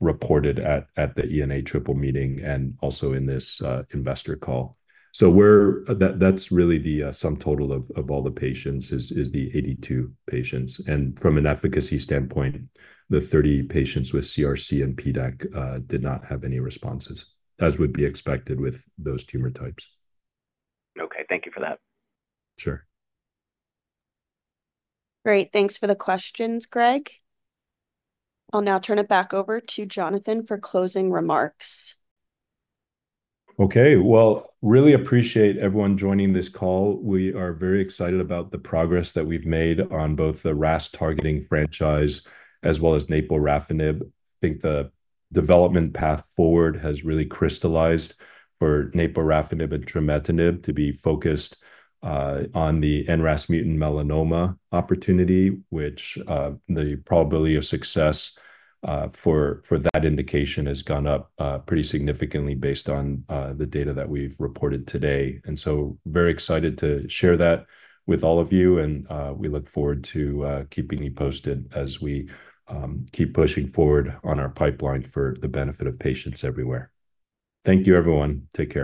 reported at the ENA triple meeting and also in this investor call. That's really the sum total of all the patients, is the 82 patients. And from an efficacy standpoint, the 30 patients with CRC and PDAC did not have any responses, as would be expected with those tumor types. Okay. Thank you for that. Sure. Great, thanks for the questions, Greg. I'll now turn it back over to Jonathan for closing remarks. Okay. Well, really appreciate everyone joining this call. We are very excited about the progress that we've made on both the RAS targeting franchise as well as naporafenib. I think the development path forward has really crystallized for naporafenib and trametinib to be focused on the NRAS-mutant melanoma opportunity, which the probability of success for that indication has gone up pretty significantly based on the data that we've reported today. And so very excited to share that with all of you, and we look forward to keeping you posted as we keep pushing forward on our pipeline for the benefit of patients everywhere. Thank you, everyone. Take care.